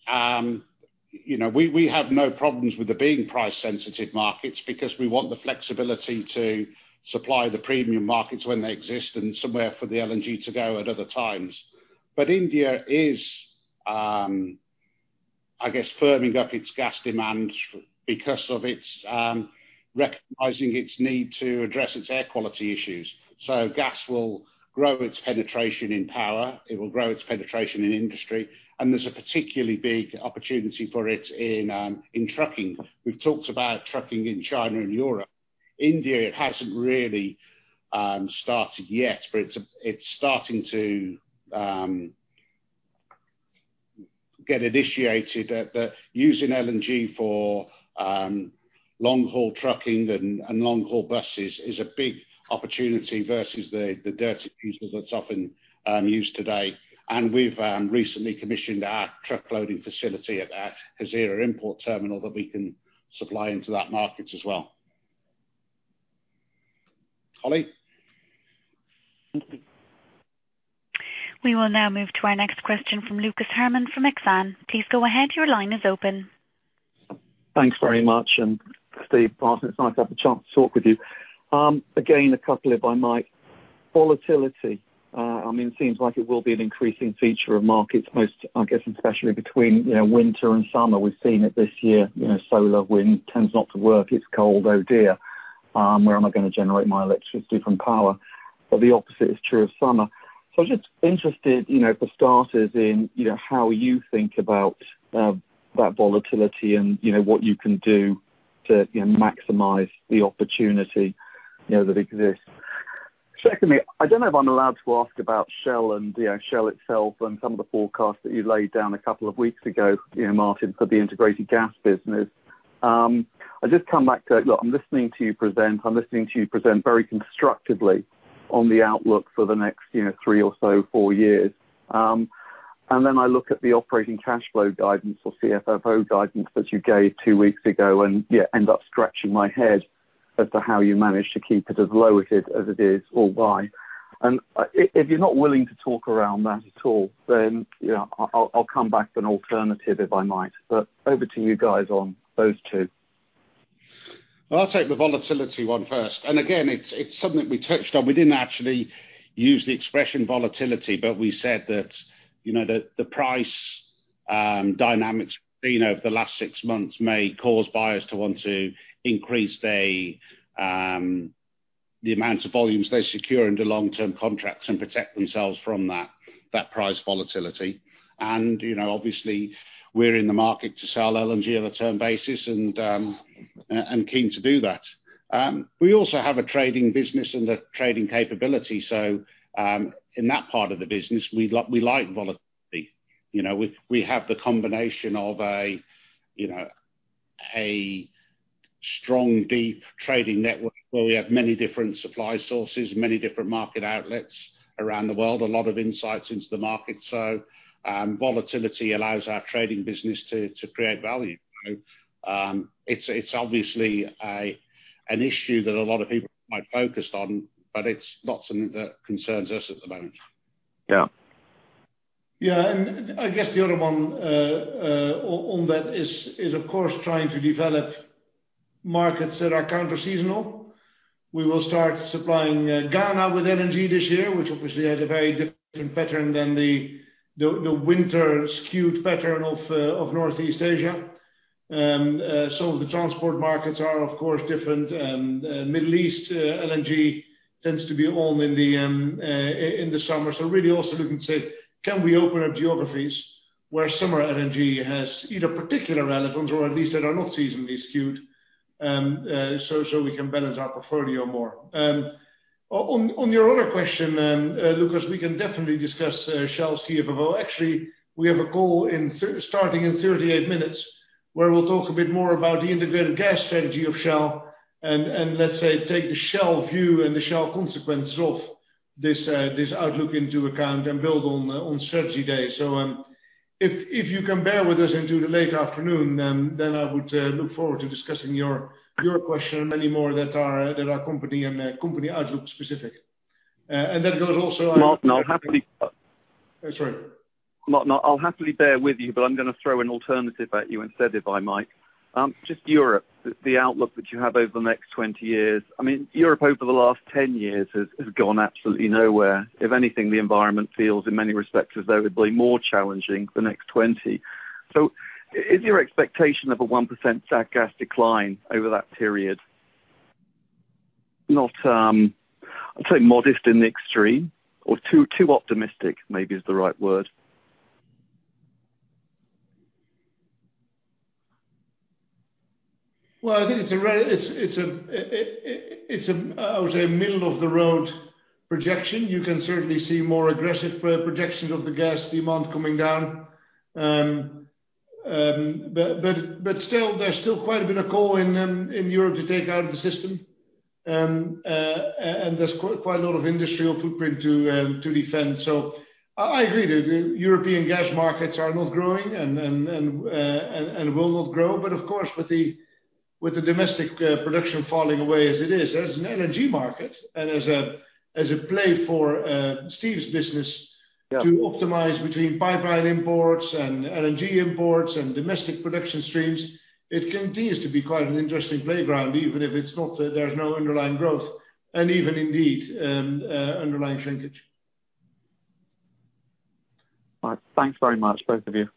[SPEAKER 3] we have no problems with there being price-sensitive markets because we want the flexibility to supply the premium markets when they exist and somewhere for the LNG to go at other times. India is, I guess, firming up its gas demand because of its recognizing its need to address its air quality issues. Gas will grow its penetration in power, it will grow its penetration in industry, and there's a particularly big opportunity for it in trucking. We've talked about trucking in China and Europe. India, it hasn't really started yet, but it's starting to get initiated that using LNG for long-haul trucking and long-haul buses is a big opportunity versus the dirty diesel that's often used today. We've recently commissioned our truck loading facility at Hazira import terminal that we can supply into that market as well. Holly?
[SPEAKER 4] We will now move to our next question from Lucas Herrmann from Exane.
[SPEAKER 11] Thanks very much. Steve, Maarten, it's nice to have the chance to talk with you. Again, a couple, if I might. Volatility, seems like it will be an increasing feature of markets, I guess, especially between winter and summer. We've seen it this year. Solar, wind tends not to work. It's cold, oh dear. Where am I going to generate my electricity from power? The opposite is true of summer. I was just interested, for starters, in how you think about that volatility and what you can do to maximize the opportunity that exists. Secondly, I don't know if I'm allowed to ask about Shell and Shell itself and some of the forecasts that you laid down a couple of weeks ago, Maarten, for the integrated gas business. I just come back to, look, I'm listening to you present, I'm listening to you present very constructively on the outlook for the next three or so, four years. Then I look at the operating cash flow guidance or CFFO guidance that you gave two weeks ago and yet end up scratching my head as to how you manage to keep it as low as it is or why. If you're not willing to talk around that at all, then I'll come back with an alternative, if I might. Over to you guys on those two.
[SPEAKER 3] I'll take the volatility one first. Again, it's something we touched on. We didn't actually use the expression volatility, but we said that the price dynamics over the last six months may cause buyers to want to increase the amount of volumes they secure under long-term contracts and protect themselves from that price volatility. Obviously we're in the market to sell LNG on a term basis and keen to do that. We also have a trading business and the trading capability. In that part of the business, we like volatility. We have the combination of a strong, deep trading network where we have many different supply sources, many different market outlets around the world, a lot of insights into the market. Volatility allows our trading business to create value. It's obviously an issue that a lot of people might focus on, but it's not something that concerns us at the moment.
[SPEAKER 11] Yeah.
[SPEAKER 2] Yeah. I guess the other one on that is, of course, trying to develop markets that are counterseasonal. We will start supplying Ghana with LNG this year, which obviously has a very different pattern than the winter skewed pattern of Northeast Asia. The transport markets are, of course, different. Middle East LNG tends to be on in the summer. Really also looking to say, can we open up geographies where summer LNG has either particular relevance or at least that are not seasonally skewed so we can balance our portfolio more. On your other question, Lucas, we can definitely discuss Shell CFFO. Actually, we have a call starting in 38 minutes where we'll talk a bit more about the integrated gas strategy of Shell and, let's say, take the Shell view and the Shell consequences of this outlook into account and build on strategy day. If you can bear with us into the late afternoon, then I would look forward to discussing your question and many more that are company and company outlook specific.
[SPEAKER 11] Maarten, I'll happily-
[SPEAKER 2] Sorry?
[SPEAKER 11] Maarten, I'll happily bear with you, but I'm going to throw an alternative at you instead, if I might. Just Europe, the outlook that you have over the next 20 years. Europe, over the last 10 years, has gone absolutely nowhere. If anything, the environment feels, in many respects, as though it'd be more challenging for the next 20 year. Is your expectation of a 1% stag gas decline over that period not, I'd say, modest in the extreme, or too optimistic, maybe is the right word?
[SPEAKER 2] Well, I think it's a, I would say, middle-of-the-road projection. You can certainly see more aggressive projections of the gas demand coming down. Still, there's still quite a bit of coal in Europe to take out of the system. There's quite a lot of industrial footprint to defend. I agree that European gas markets are not growing and will not grow. Of course, with the domestic production falling away as it is, as an LNG market and as a play for Steve's business to optimize between pipeline imports and LNG imports and domestic production streams, it continues to be quite an interesting playground, even if there's no underlying growth and even indeed underlying shrinkage.
[SPEAKER 11] Right. Thanks very much, both of you.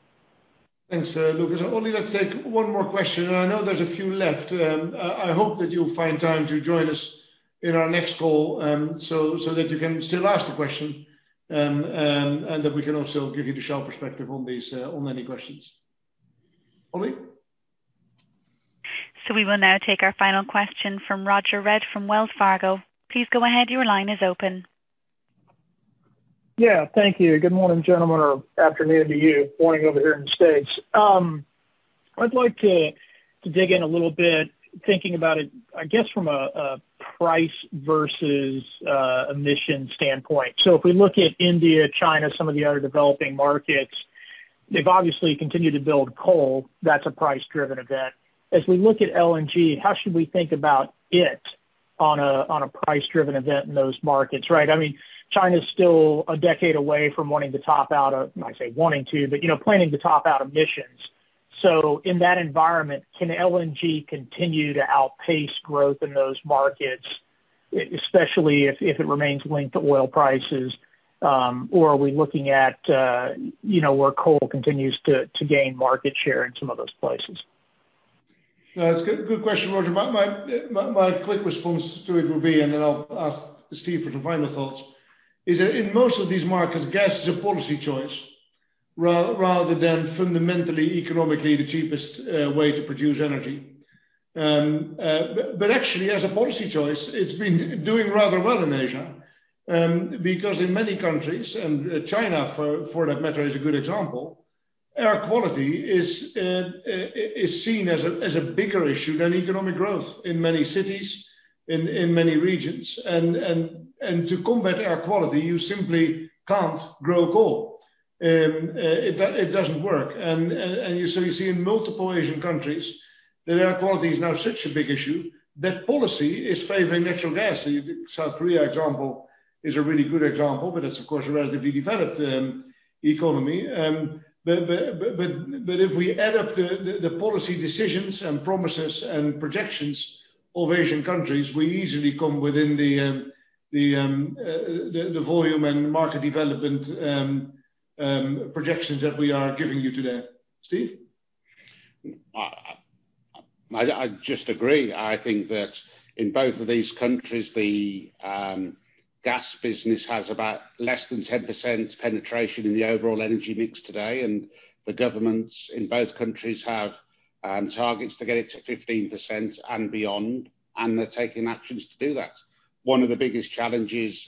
[SPEAKER 2] Thanks, Lucas. Let's take one more question. I know there's a few left. I hope that you'll find time to join us in our next call so that you can still ask the question, and that we can also give you the Shell perspective on any questions. Holly?
[SPEAKER 4] We will now take our final question from Roger Read from Wells Fargo. Please go ahead. Your line is open.
[SPEAKER 12] Yeah, thank you. Good morning, gentlemen, or afternoon to you, morning over here in the U.S. I'd like to dig in a little bit, thinking about it, I guess, from a price versus emissions standpoint. If we look at India, China, some of the other developing markets, they've obviously continued to build coal. That's a price-driven event. As we look at LNG, how should we think about it on a price-driven event in those markets, right? China's still a decade away from wanting to top out of, I say wanting to, but planning to top out emissions. In that environment, can LNG continue to outpace growth in those markets, especially if it remains linked to oil prices? Are we looking at where coal continues to gain market share in some of those places?
[SPEAKER 2] No, that's a good question, Roger. My quick response to it will be, and then I'll ask Steve for the final thoughts, is that in most of these markets, gas is a policy choice rather than fundamentally, economically the cheapest way to produce energy. Actually, as a policy choice, it's been doing rather well in Asia. Because in many countries, and China, for that matter, is a good example, air quality is seen as a bigger issue than economic growth in many cities, in many regions. To combat air quality, you simply can't grow coal. It doesn't work. You see in multiple Asian countries that air quality is now such a big issue that policy is favoring natural gas. The South Korea example is a really good example, but it's, of course, a relatively developed economy. If we add up the policy decisions and promises, and projections of Asian countries, we easily come within the volume and market development projections that we are giving you today. Steve?
[SPEAKER 3] I just agree. I think that in both of these countries, the gas business has about less than 10% penetration in the overall energy mix today, and the governments in both countries have targets to get it to 15% and beyond, and they're taking actions to do that. One of the biggest challenges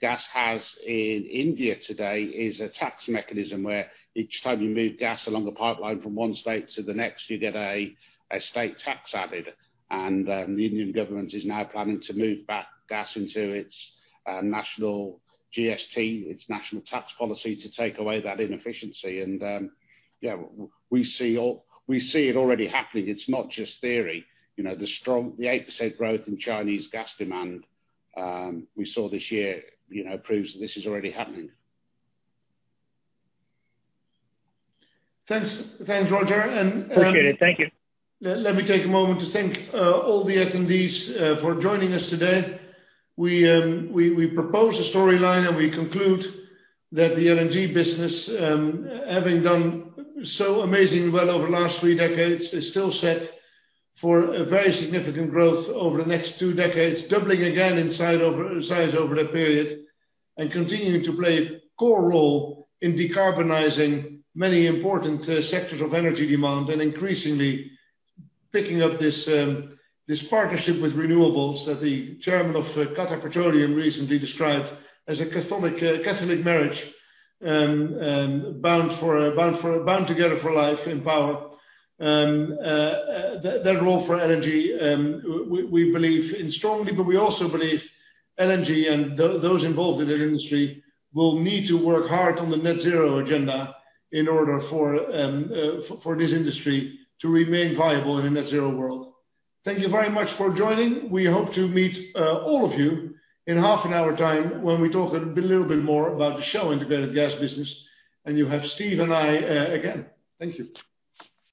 [SPEAKER 3] gas has in India today is a tax mechanism where each time you move gas along the pipeline from one state to the next, you get a state tax added. The Indian government is now planning to move that gas into its national GST, its national tax policy, to take away that inefficiency. Yeah, we see it already happening. It's not just theory. The 8% growth in Chinese gas demand we saw this year proves that this is already happening.
[SPEAKER 2] Thanks, Roger.
[SPEAKER 12] Appreciate it. Thank you.
[SPEAKER 2] Let me take a moment to thank all the attendees for joining us today. We propose a storyline. We conclude that the LNG business, having done so amazingly well over the last three decades, is still set for a very significant growth over the next two decades, doubling again in size over that period. Continuing to play a core role in decarbonizing many important sectors of energy demand and increasingly picking up this partnership with renewables that the chairman of Qatar Petroleum recently described as a Catholic marriage, bound together for life in power. That role for energy, we believe in strongly. We also believe LNG and those involved in that industry will need to work hard on the net-zero agenda in order for this industry to remain viable in a net-zero world. Thank you very much for joining. We hope to meet all of you in half an hour time when we talk a little bit more about the Shell Integrated Gas business, and you have Steve and I again. Thank you.